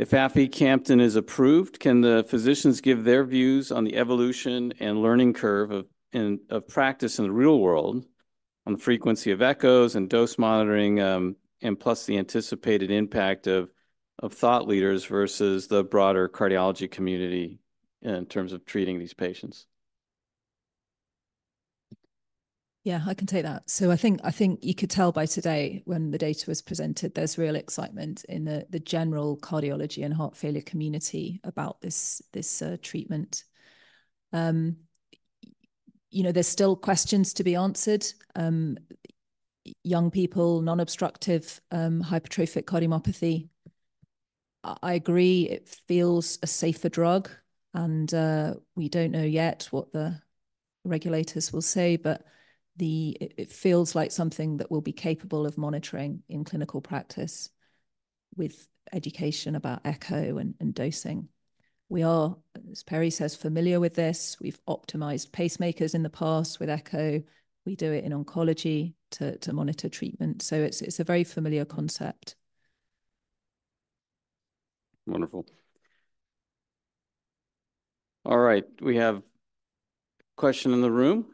If aficamten is approved, can the physicians give their views on the evolution and learning curve of practice in the real world on the frequency of echoes and dose monitoring, and plus the anticipated impact of thought leaders versus the broader cardiology community in terms of treating these patients? Yeah, I can take that. So I think, I think you could tell by today when the data was presented, there's real excitement in the, the general cardiology and heart failure community about this, this, treatment. You know, there's still questions to be answered, young people, non-obstructive, hypertrophic cardiomyopathy.... I, I agree it feels a safer drug, and, we don't know yet what the regulators will say, but the-- it, it feels like something that we'll be capable of monitoring in clinical practice with education about echo and, and dosing. We are, as Perry says, familiar with this. We've optimized pacemakers in the past with echo. We do it in oncology to, to monitor treatment, so it's, it's a very familiar concept. Wonderful. All right, we have a question in the room.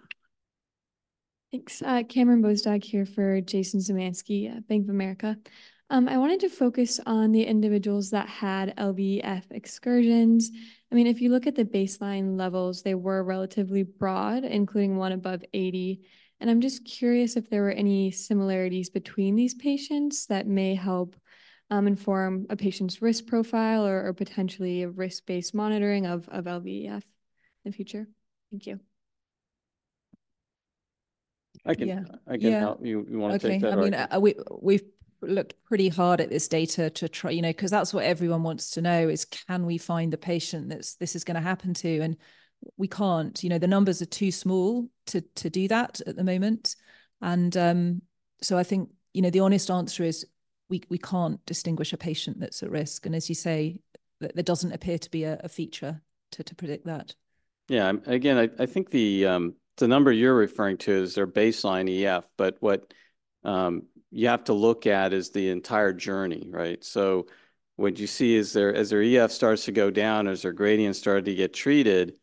Thanks. Cameron Bozdog here for Jason Zemansky at Bank of America. I wanted to focus on the individuals that had LVEF excursions. I mean, if you look at the baseline levels, they were relatively broad, including one above 80. I'm just curious if there were any similarities between these patients that may help inform a patient's risk profile or, or potentially a risk-based monitoring of, of LVEF in the future? Thank you. I can- Yeah. I can help you. Yeah. You want to take that or- Okay, I mean, we've looked pretty hard at this data to try... You know, 'cause that's what everyone wants to know is: can we find the patient that this is gonna happen to? And we can't. You know, the numbers are too small to do that at the moment. And, so I think, you know, the honest answer is we can't distinguish a patient that's at risk, and as you say, there doesn't appear to be a feature to predict that. Yeah. Again, I think the number you're referring to is their baseline EF, but what you have to look at is the entire journey, right? So what you see is their, as their EF starts to go down, as their gradient started to get treated,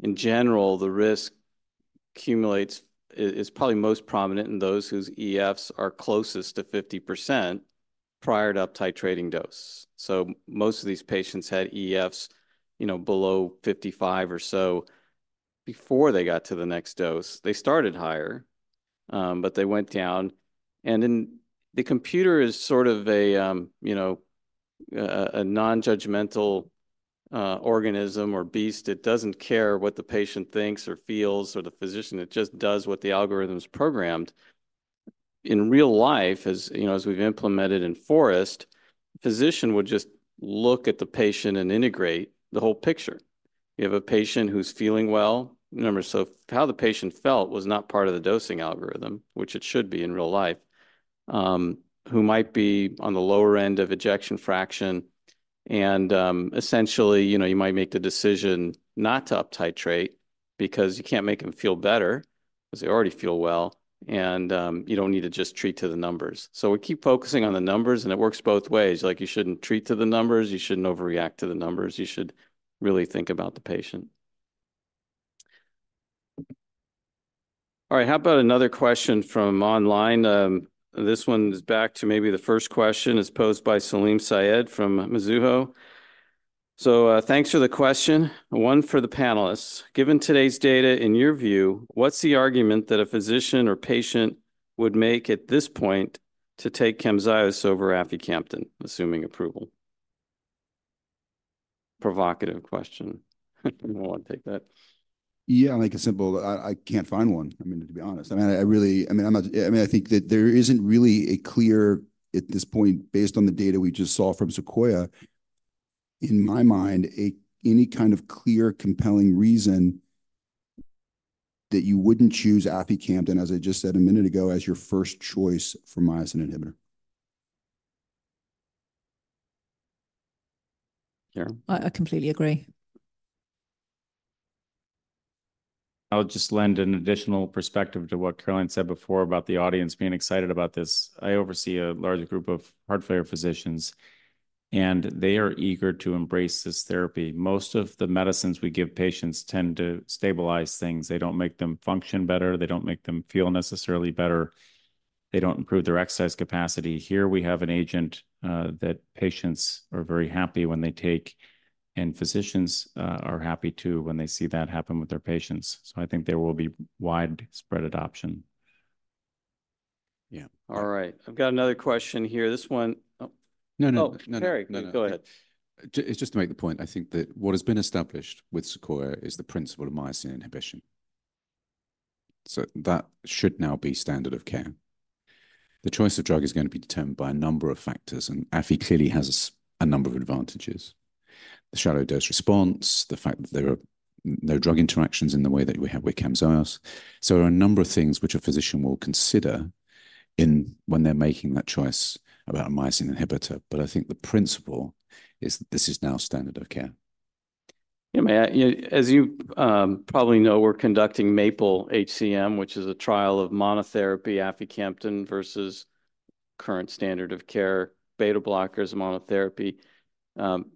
in general, the risk accumulates. It's probably most prominent in those whose EFs are closest to 50% prior to up titrating dose. So most of these patients had EFs, you know, below 55 or so before they got to the next dose. They started higher, but they went down. And then the computer is sort of a, you know, a non-judgmental organism or beast. It doesn't care what the patient thinks or feels or the physician, it just does what the algorithm's programmed. In real life, as you know, as we've implemented in FOREST, physician would just look at the patient and integrate the whole picture. You have a patient who's feeling well. Remember, so how the patient felt was not part of the dosing algorithm, which it should be in real life, who might be on the lower end of ejection fraction. And essentially, you know, you might make the decision not to uptitrate because you can't make them feel better, because they already feel well, and you don't need to just treat to the numbers. So we keep focusing on the numbers, and it works both ways. Like, you shouldn't treat to the numbers, you shouldn't overreact to the numbers. You should really think about the patient. All right, how about another question from online? This one is back to maybe the first question, as posed by Salim Syed from Mizuho. Thanks for the question, one for the panelists. Given today's data, in your view, what's the argument that a physician or patient would make at this point to take Camzyos over aficamten, assuming approval? Provocative question. Anyone want to take that? Yeah, like a simple—I can't find one. I mean, to be honest. I mean, I really—I mean, I'm not—I mean, I think that there isn't really a clear, at this point, based on the data we just saw from SEQUOIA, in my mind, any kind of clear, compelling reason that you wouldn't choose aficamten, as I just said a minute ago, as your first choice for myosin inhibitor. Greg? I completely agree. I'll just lend an additional perspective to what Caroline said before about the audience being excited about this. I oversee a large group of heart failure physicians, and they are eager to embrace this therapy. Most of the medicines we give patients tend to stabilize things. They don't make them function better, they don't make them feel necessarily better, they don't improve their exercise capacity. Here we have an agent, that patients are very happy when they take, and physicians, are happy too when they see that happen with their patients. So I think there will be widespread adoption. Yeah. All right. I've got another question here. No, no. Oh, Perry- No, no. Go ahead. Just to make the point, I think that what has been established with SEQUOIA is the principle of myosin inhibition. So that should now be standard of care. The choice of drug is going to be determined by a number of factors, and afi clearly has a number of advantages: the shallow dose response, the fact that there are no drug interactions in the way that we have with Camzyos. So there are a number of things which a physician will consider when they're making that choice about a myosin inhibitor, but I think the principle is that this is now standard of care. Yeah, may I? You, as you probably know, we're conducting MAPLE-HCM, which is a trial of monotherapy aficamten versus current standard of care, beta-blockers monotherapy.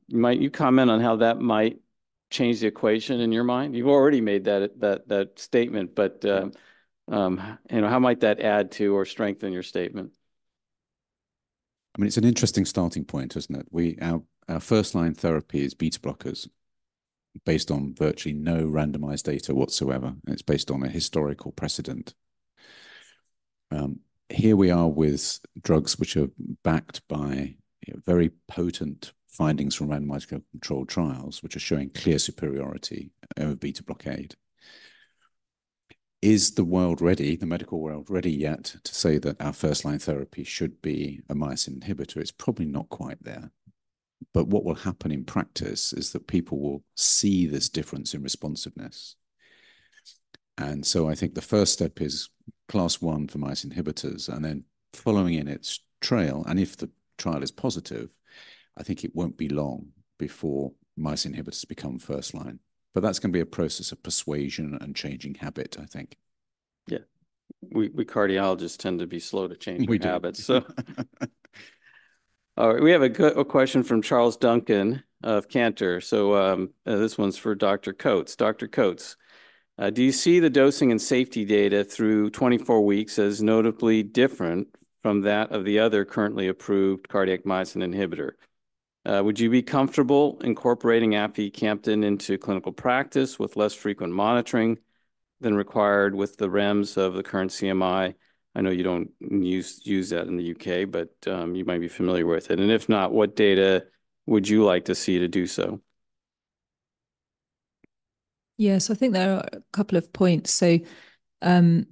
Might you comment on how that might change the equation in your mind? You've already made that statement, but, you know, how might that add to or strengthen your statement? I mean, it's an interesting starting point, isn't it? Our first-line therapy is beta-blockers, based on virtually no randomized data whatsoever, and it's based on a historical precedent. Here we are with drugs which are backed by, you know, very potent findings from randomized controlled trials, which are showing clear superiority over beta blockade. Is the world ready, the medical world ready yet to say that our first-line therapy should be a myosin inhibitor? It's probably not quite there. But what will happen in practice is that people will see this difference in responsiveness. And so I think the first step is class one for myosin inhibitors, and then following in its trail, and if the trial is positive, I think it won't be long before myosin inhibitors become first line. But that's gonna be a process of persuasion and changing habit, I think. Yeah. We cardiologists tend to be slow to changing habits. We do. So, we have a good question from Charles Duncan of Cantor. This one's for Dr. Coats. Dr. Coats, do you see the dosing and safety data through 24 weeks as notably different from that of the other currently approved cardiac myosin inhibitor? Would you be comfortable incorporating aficamten into clinical practice with less frequent monitoring than required with the REMS of the current CMI? I know you don't use that in the UK, but you might be familiar with it. And if not, what data would you like to see to do so? Yeah, so I think there are a couple of points. So, you know,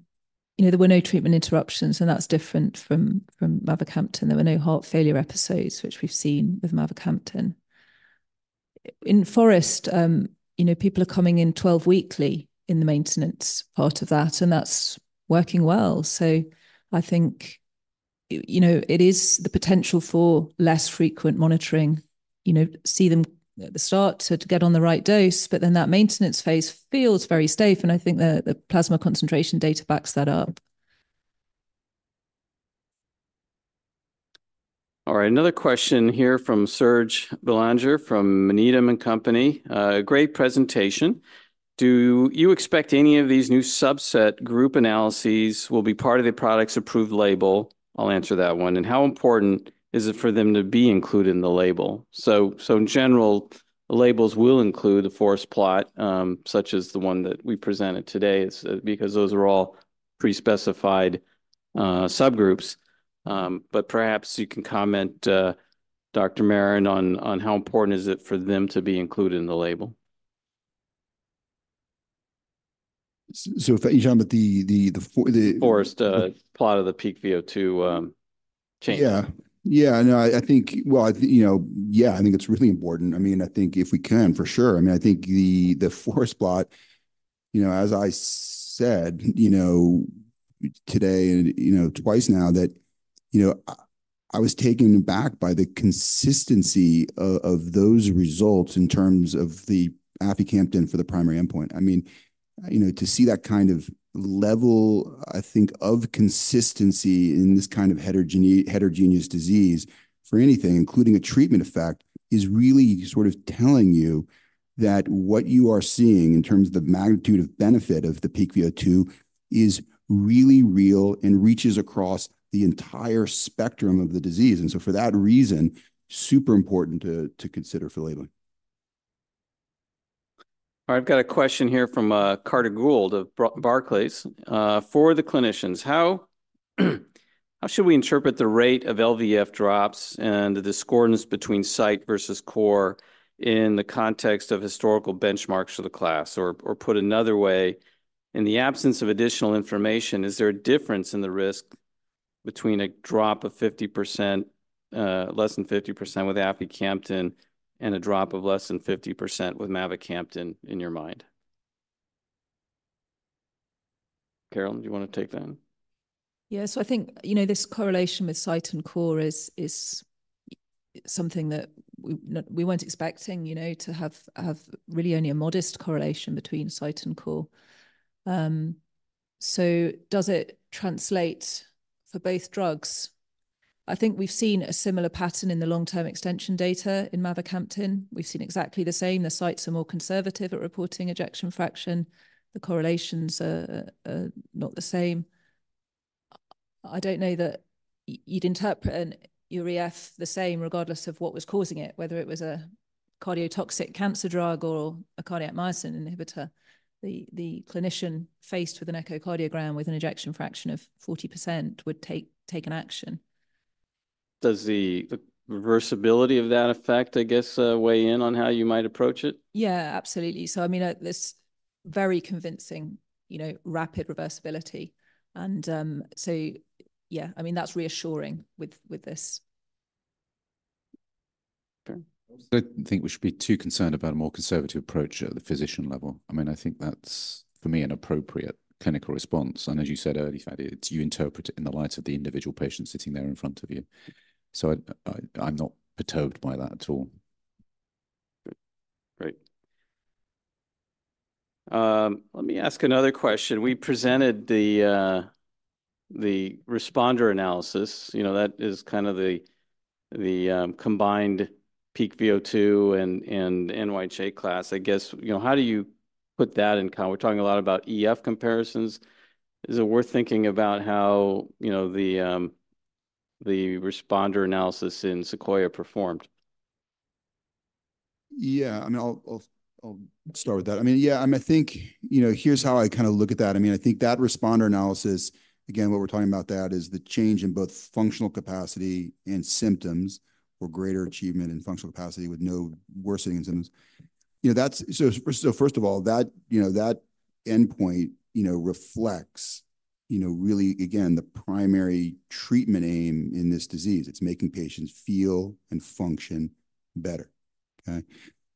there were no treatment interruptions, and that's different from, from mavacamten. There were no heart failure episodes, which we've seen with mavacamten. In FOREST, you know, people are coming in 12 weekly in the maintenance part of that, and that's working well. So I think, you, you know, it is the potential for less frequent monitoring. You know, see them at the start to, to get on the right dose, but then that maintenance phase feels very safe, and I think the, the plasma concentration data backs that up. All right, another question here from Serge Belanger, from Needham & Company. Great presentation. Do you expect any of these new subset group analyses will be part of the product's approved label? I'll answer that one. And how important is it for them to be included in the label? So, so in general, labels will include a forest plot, such as the one that we presented today. It's because those are all pre-specified subgroups. But perhaps you can comment, Dr. Maron, on how important is it for them to be included in the label. So if you're talking about the for the- forest plot of the peak VO2 change. Yeah. Yeah, no, I, I think, well, I think, you know, yeah, I think it's really important. I mean, I think if we can, for sure. I mean, I think the, the FOREST plot, you know, as I said, you know, today and, you know, twice now, that, you know, I, I was taken aback by the consistency of those results in terms of the aficamten for the primary endpoint. I mean, you know, to see that kind of level, I think, of consistency in this kind of heterogeneous disease for anything, including a treatment effect, is really sort of telling you that what you are seeing in terms of the magnitude of benefit of the peak VO2 is really real and reaches across the entire spectrum of the disease. And so for that reason, super important to, to consider for labeling. I've got a question here from Carter Gould of Barclays. For the clinicians, how should we interpret the rate of LVEF drops and the discordance between site versus core in the context of historical benchmarks for the class? Or put another way, in the absence of additional information, is there a difference in the risk between a drop of 50%, less than 50% with aficamten and a drop of less than 50% with mavacamten in your mind? Caroline, do you wanna take that? Yeah. So I think, you know, this correlation with site and core is something that we weren't expecting, you know, to have really only a modest correlation between site and core. So does it translate for both drugs? I think we've seen a similar pattern in the long-term extension data in mavacamten. We've seen exactly the same. The sites are more conservative at reporting ejection fraction. The correlations are not the same. I don't know that you'd interpret an EF the same, regardless of what was causing it, whether it was a cardiotoxic cancer drug or a cardiac myosin inhibitor. The clinician faced with an echocardiogram with an ejection fraction of 40% would take an action. Does the reversibility of that effect, I guess, weigh in on how you might approach it? Yeah, absolutely. So I mean, this very convincing, you know, rapid reversibility. And, so yeah, I mean, that's reassuring with, with this. Okay. I don't think we should be too concerned about a more conservative approach at the physician level. I mean, I think that's, for me, an appropriate clinical response. And as you said earlier, Fady, it's. You interpret it in the light of the individual patient sitting there in front of you. So I, I, I'm not perturbed by that at all. Good. Great. Let me ask another question. We presented the responder analysis. You know, that is kind of the combined peak VO2 and NYHA class. I guess, you know, how do you put that in con... We're talking a lot about EF comparisons. Is it worth thinking about how, you know, the responder analysis in SEQUOIA performed? Yeah, I mean, I'll start with that. I mean, yeah, I mean, I think, you know, here's how I kind of look at that. I mean, I think that responder analysis—again, what we're talking about that is the change in both functional capacity and symptoms, or greater achievement in functional capacity with no worsening symptoms. You know, that's—so, so first of all, that, you know, that endpoint, you know, reflects, you know, really, again, the primary treatment aim in this disease. It's making patients feel and function better, okay?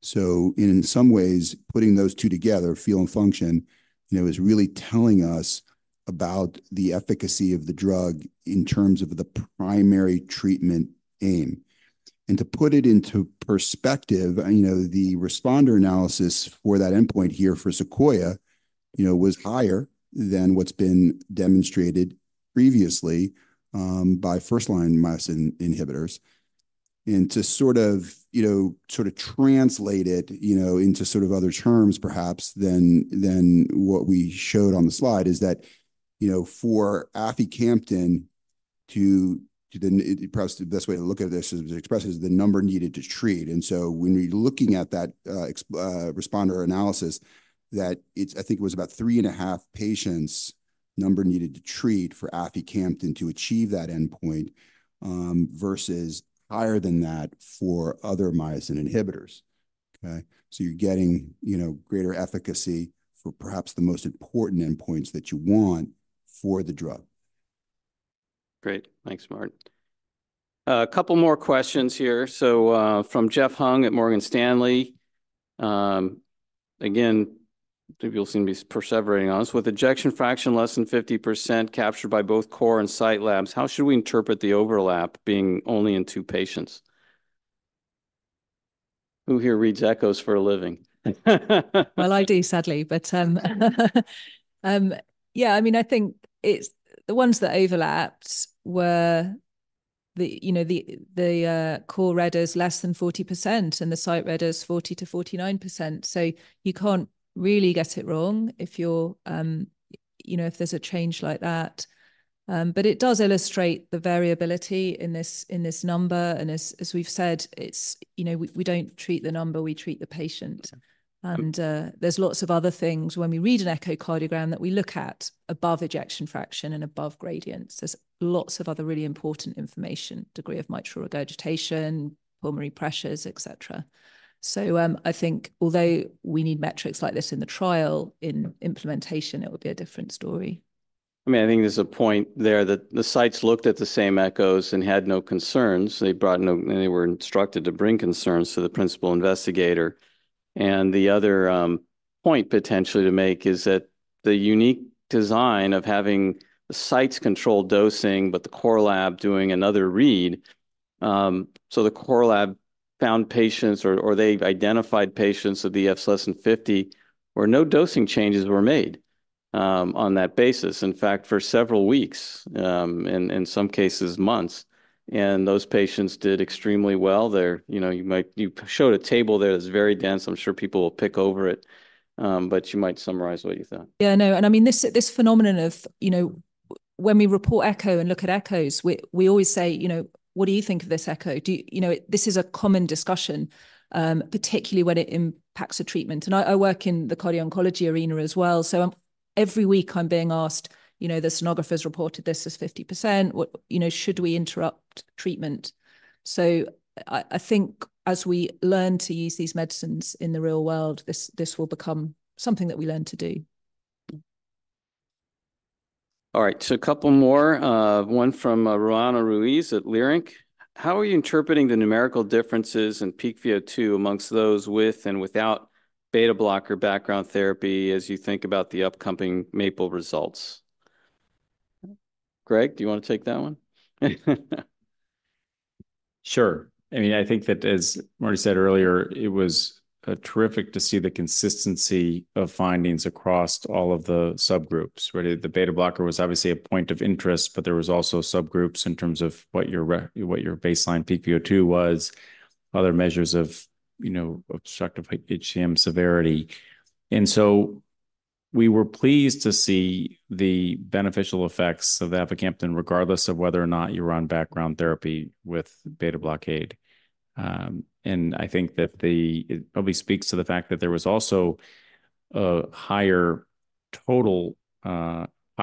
So in some ways, putting those two together, feel and function, you know, is really telling us about the efficacy of the drug in terms of the primary treatment aim. To put it into perspective, you know, the responder analysis for that endpoint here for SEQUOIA, you know, was higher than what's been demonstrated previously by first-line myosin inhibitors. To sort of, you know, sort of translate it, you know, into sort of other terms, perhaps, than, than what we showed on the slide, is that, you know, for aficamten to, to the-- perhaps the best way to look at this is, to express it, is the number needed to treat. So when you're looking at that, responder analysis, that it's-- I think it was about 3.5 patients number needed to treat for aficamten to achieve that endpoint versus higher than that for other myosin inhibitors, okay? So you're getting, you know, greater efficacy for perhaps the most important endpoints that you want for the drug. Great. Thanks, Marty. A couple more questions here. So, from Jeff Hung at Morgan Stanley. Again, people seem to be persevering on this: With ejection fraction less than 50% captured by both core and site labs, how should we interpret the overlap being only in 2 patients? Who here reads echoes for a living? Well, I do, sadly. But, yeah, I mean, I think it's-- the ones that overlapped were the, you know, the, the, core readers less than 40%, and the site readers 40%-49%. So you can't really get it wrong if you're, you know, if there's a change like that. But it does illustrate the variability in this, in this number, and as, as we've said, it's, you know, we, we don't treat the number, we treat the patient. Okay. There's lots of other things when we read an echocardiogram that we look at above ejection fraction and above gradients. There's lots of other really important information, degree of mitral regurgitation, pulmonary pressures, et cetera. I think although we need metrics like this in the trial, in implementation, it would be a different story. I mean, I think there's a point there that the sites looked at the same echoes and had no concerns. They were instructed to bring concerns to the principal investigator. And the other point potentially to make is that the unique design of having the sites control dosing, but the core lab doing another read, so the core lab found patients, or they identified patients with EFs less than 50, where no dosing changes were made, on that basis, in fact, for several weeks, in some cases, months. And those patients did extremely well. They're, you know, you showed a table there that's very dense. I'm sure people will pick over it, but you might summarize what you thought. Yeah, I know. And I mean, this phenomenon of, you know, when we report echo and look at echoes, we always say, you know, "What do you think of this echo?" Do you know, this is a common discussion, particularly when it impacts a treatment. And I work in the cardio-oncology arena as well, so every week I'm being asked, you know, "The sonographers reported this as 50%. What, you know, should we interrupt treatment?" So I think as we learn to use these medicines in the real world, this will become something that we learn to do. All right, so a couple more. One from Roanna Ruiz at Leerink Partners: How are you interpreting the numerical differences in peak VO2 among those with and without beta blocker background therapy as you think about the upcoming MAPLE results? Greg, do you want to take that one? Sure. I mean, I think that, as Marty said earlier, it was terrific to see the consistency of findings across all of the subgroups, where the beta blocker was obviously a point of interest, but there was also subgroups in terms of what your baseline peak VO2 was, other measures of, you know, obstructive HCM severity. And so we were pleased to see the beneficial effects of aficamten, regardless of whether or not you were on background therapy with beta blockade. And I think that it probably speaks to the fact that there was also a higher total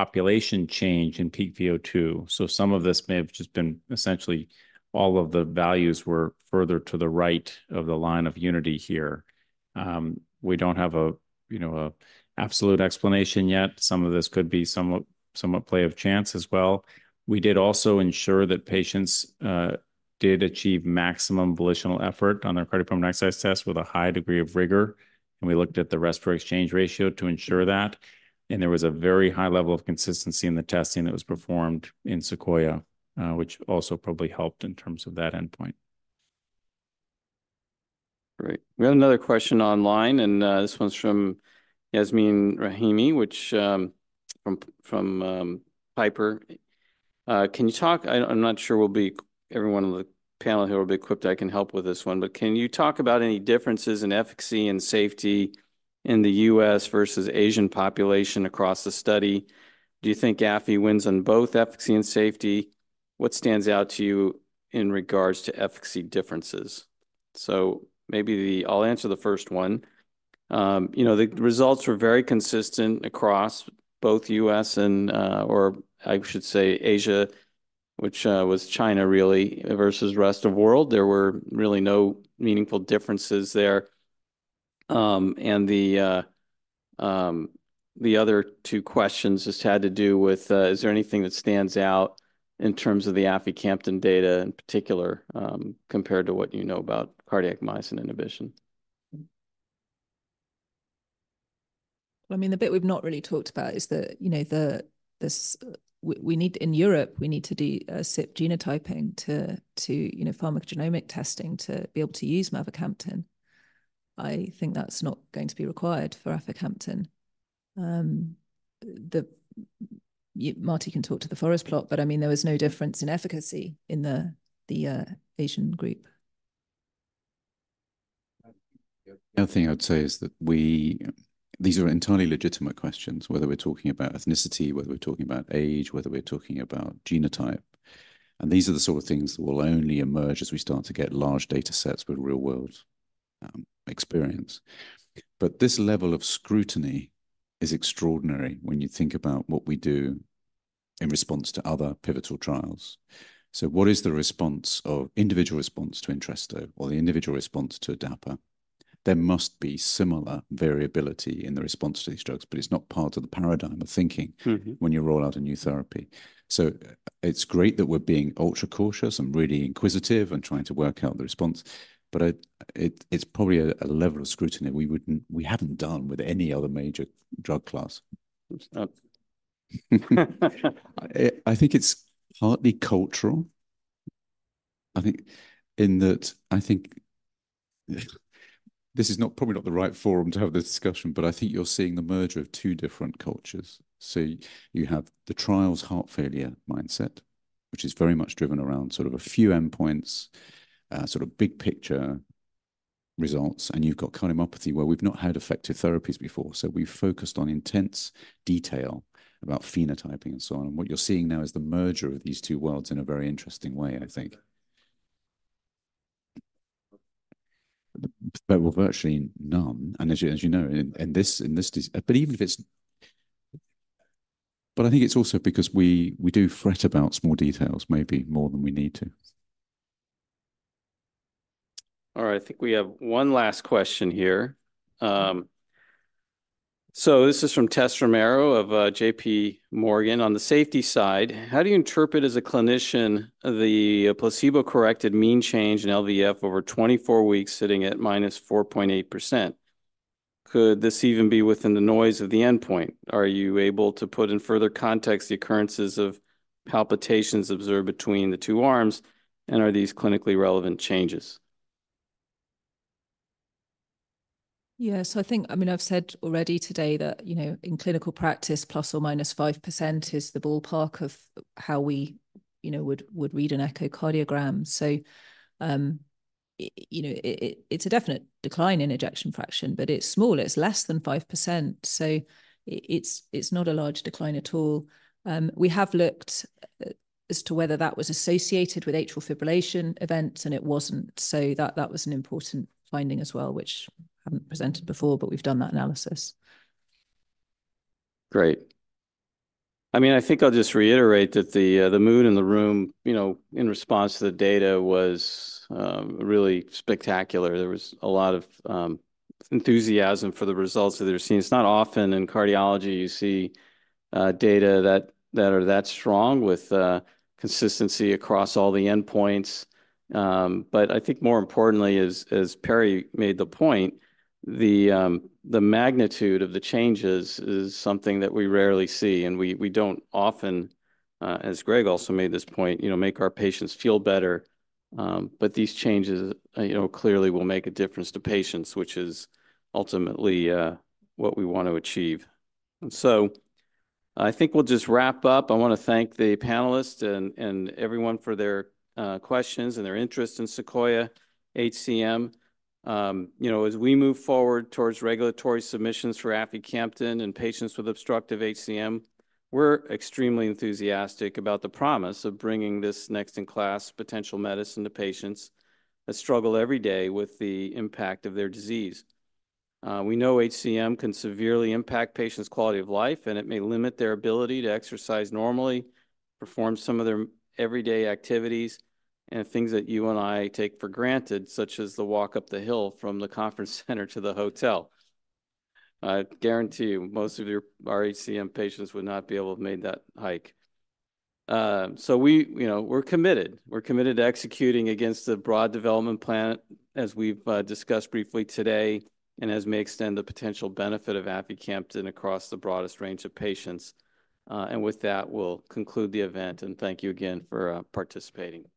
population change in peak VO2. So some of this may have just been essentially all of the values were further to the right of the line of unity here. We don't have a, you know, a absolute explanation yet. Some of this could be somewhat, somewhat play of chance as well. We did also ensure that patients did achieve maximum volitional effort on their cardiopulmonary exercise test with a high degree of rigor, and we looked at the respiratory exchange ratio to ensure that. There was a very high level of consistency in the testing that was performed in SEQUOIA, which also probably helped in terms of that endpoint. Great. We have another question online, and this one's from Yasmin Rahimi from Piper. I'm not sure everyone on the panel here will be equipped. I can help with this one, but can you talk about any differences in efficacy and safety in the U.S. versus Asian population across the study? Do you think afi wins on both efficacy and safety? What stands out to you in regards to efficacy differences? So maybe the. I'll answer the first one. You know, the results were very consistent across both U.S. and or I should say Asia, which was China really, versus the rest of world. There were really no meaningful differences there. And the other two questions just had to do with, is there anything that stands out in terms of the aficamten data in particular, compared to what you know about cardiac myosin inhibition? I mean, the bit we've not really talked about is, you know, we need in Europe to do CYP genotyping to, you know, pharmacogenomic testing to be able to use mavacamten. I think that's not going to be required for aficamten. Marty can talk to the forest plot, but I mean, there was no difference in efficacy in the Asian group. The other thing I'd say is that we, these are entirely legitimate questions, whether we're talking about ethnicity, whether we're talking about age, whether we're talking about genotype. These are the sort of things that will only emerge as we start to get large data sets with real-world experience. But this level of scrutiny is extraordinary when you think about what we do in response to other pivotal trials. So what is the response or individual response to Entresto or the individual response to Dapa? There must be similar variability in the response to these drugs, but it's not part of the paradigm of thinking- Mm-hmm. When you roll out a new therapy. So it's great that we're being ultra cautious and really inquisitive and trying to work out the response, but it's probably a level of scrutiny we wouldn't, we haven't done with any other major drug class. I think it's partly cultural. I think in that, I think... This is probably not the right forum to have this discussion, but I think you're seeing the merger of two different cultures. So you have the trials heart failure mindset, which is very much driven around sort of a few endpoints, sort of big picture results, and you've got cardiomyopathy, where we've not had effective therapies before. So we've focused on intense detail about phenotyping and so on. And what you're seeing now is the merger of these two worlds in a very interesting way, I think. There were virtually none, and as you know, in this, but even if it's. But I think it's also because we do fret about small details, maybe more than we need to. All right, I think we have one last question here. So this is from Tess Romero of J.P. Morgan. On the safety side, how do you interpret as a clinician the placebo-corrected mean change in LVEF over 24 weeks sitting at -4.8%? Could this even be within the noise of the endpoint? Are you able to put in further context the occurrences of palpitations observed between the two arms, and are these clinically relevant changes? Yeah, so I think, I mean, I've said already today that, you know, in clinical practice, ±5% is the ballpark of how we, you know, would read an echocardiogram. So, you know, it's a definite decline in ejection fraction, but it's small, it's less than 5%, so it's not a large decline at all. We have looked as to whether that was associated with atrial fibrillation events, and it wasn't. So that was an important finding as well, which I haven't presented before, but we've done that analysis. Great. I mean, I think I'll just reiterate that the mood in the room, you know, in response to the data was really spectacular. There was a lot of enthusiasm for the results that they were seeing. It's not often in cardiology you see data that are that strong with consistency across all the endpoints. But I think more importantly, as Perry made the point, the magnitude of the changes is something that we rarely see, and we don't often, as Greg also made this point, you know, make our patients feel better. But these changes, you know, clearly will make a difference to patients, which is ultimately what we want to achieve. And so I think we'll just wrap up. I want to thank the panelists and everyone for their questions and their interest in SEQUOIA-HCM. You know, as we move forward towards regulatory submissions for aficamten in patients with obstructive HCM, we're extremely enthusiastic about the promise of bringing this next-in-class potential medicine to patients that struggle every day with the impact of their disease. We know HCM can severely impact patients' quality of life, and it may limit their ability to exercise normally, perform some of their everyday activities, and things that you and I take for granted, such as the walk up the hill from the conference center to the hotel. I guarantee you, most of your, our HCM patients would not be able to have made that hike. So we, you know, we're committed. We're committed to executing against the broad development plan, as we've discussed briefly today, and as may extend the potential benefit of aficamten across the broadest range of patients. And with that, we'll conclude the event, and thank you again for participating today.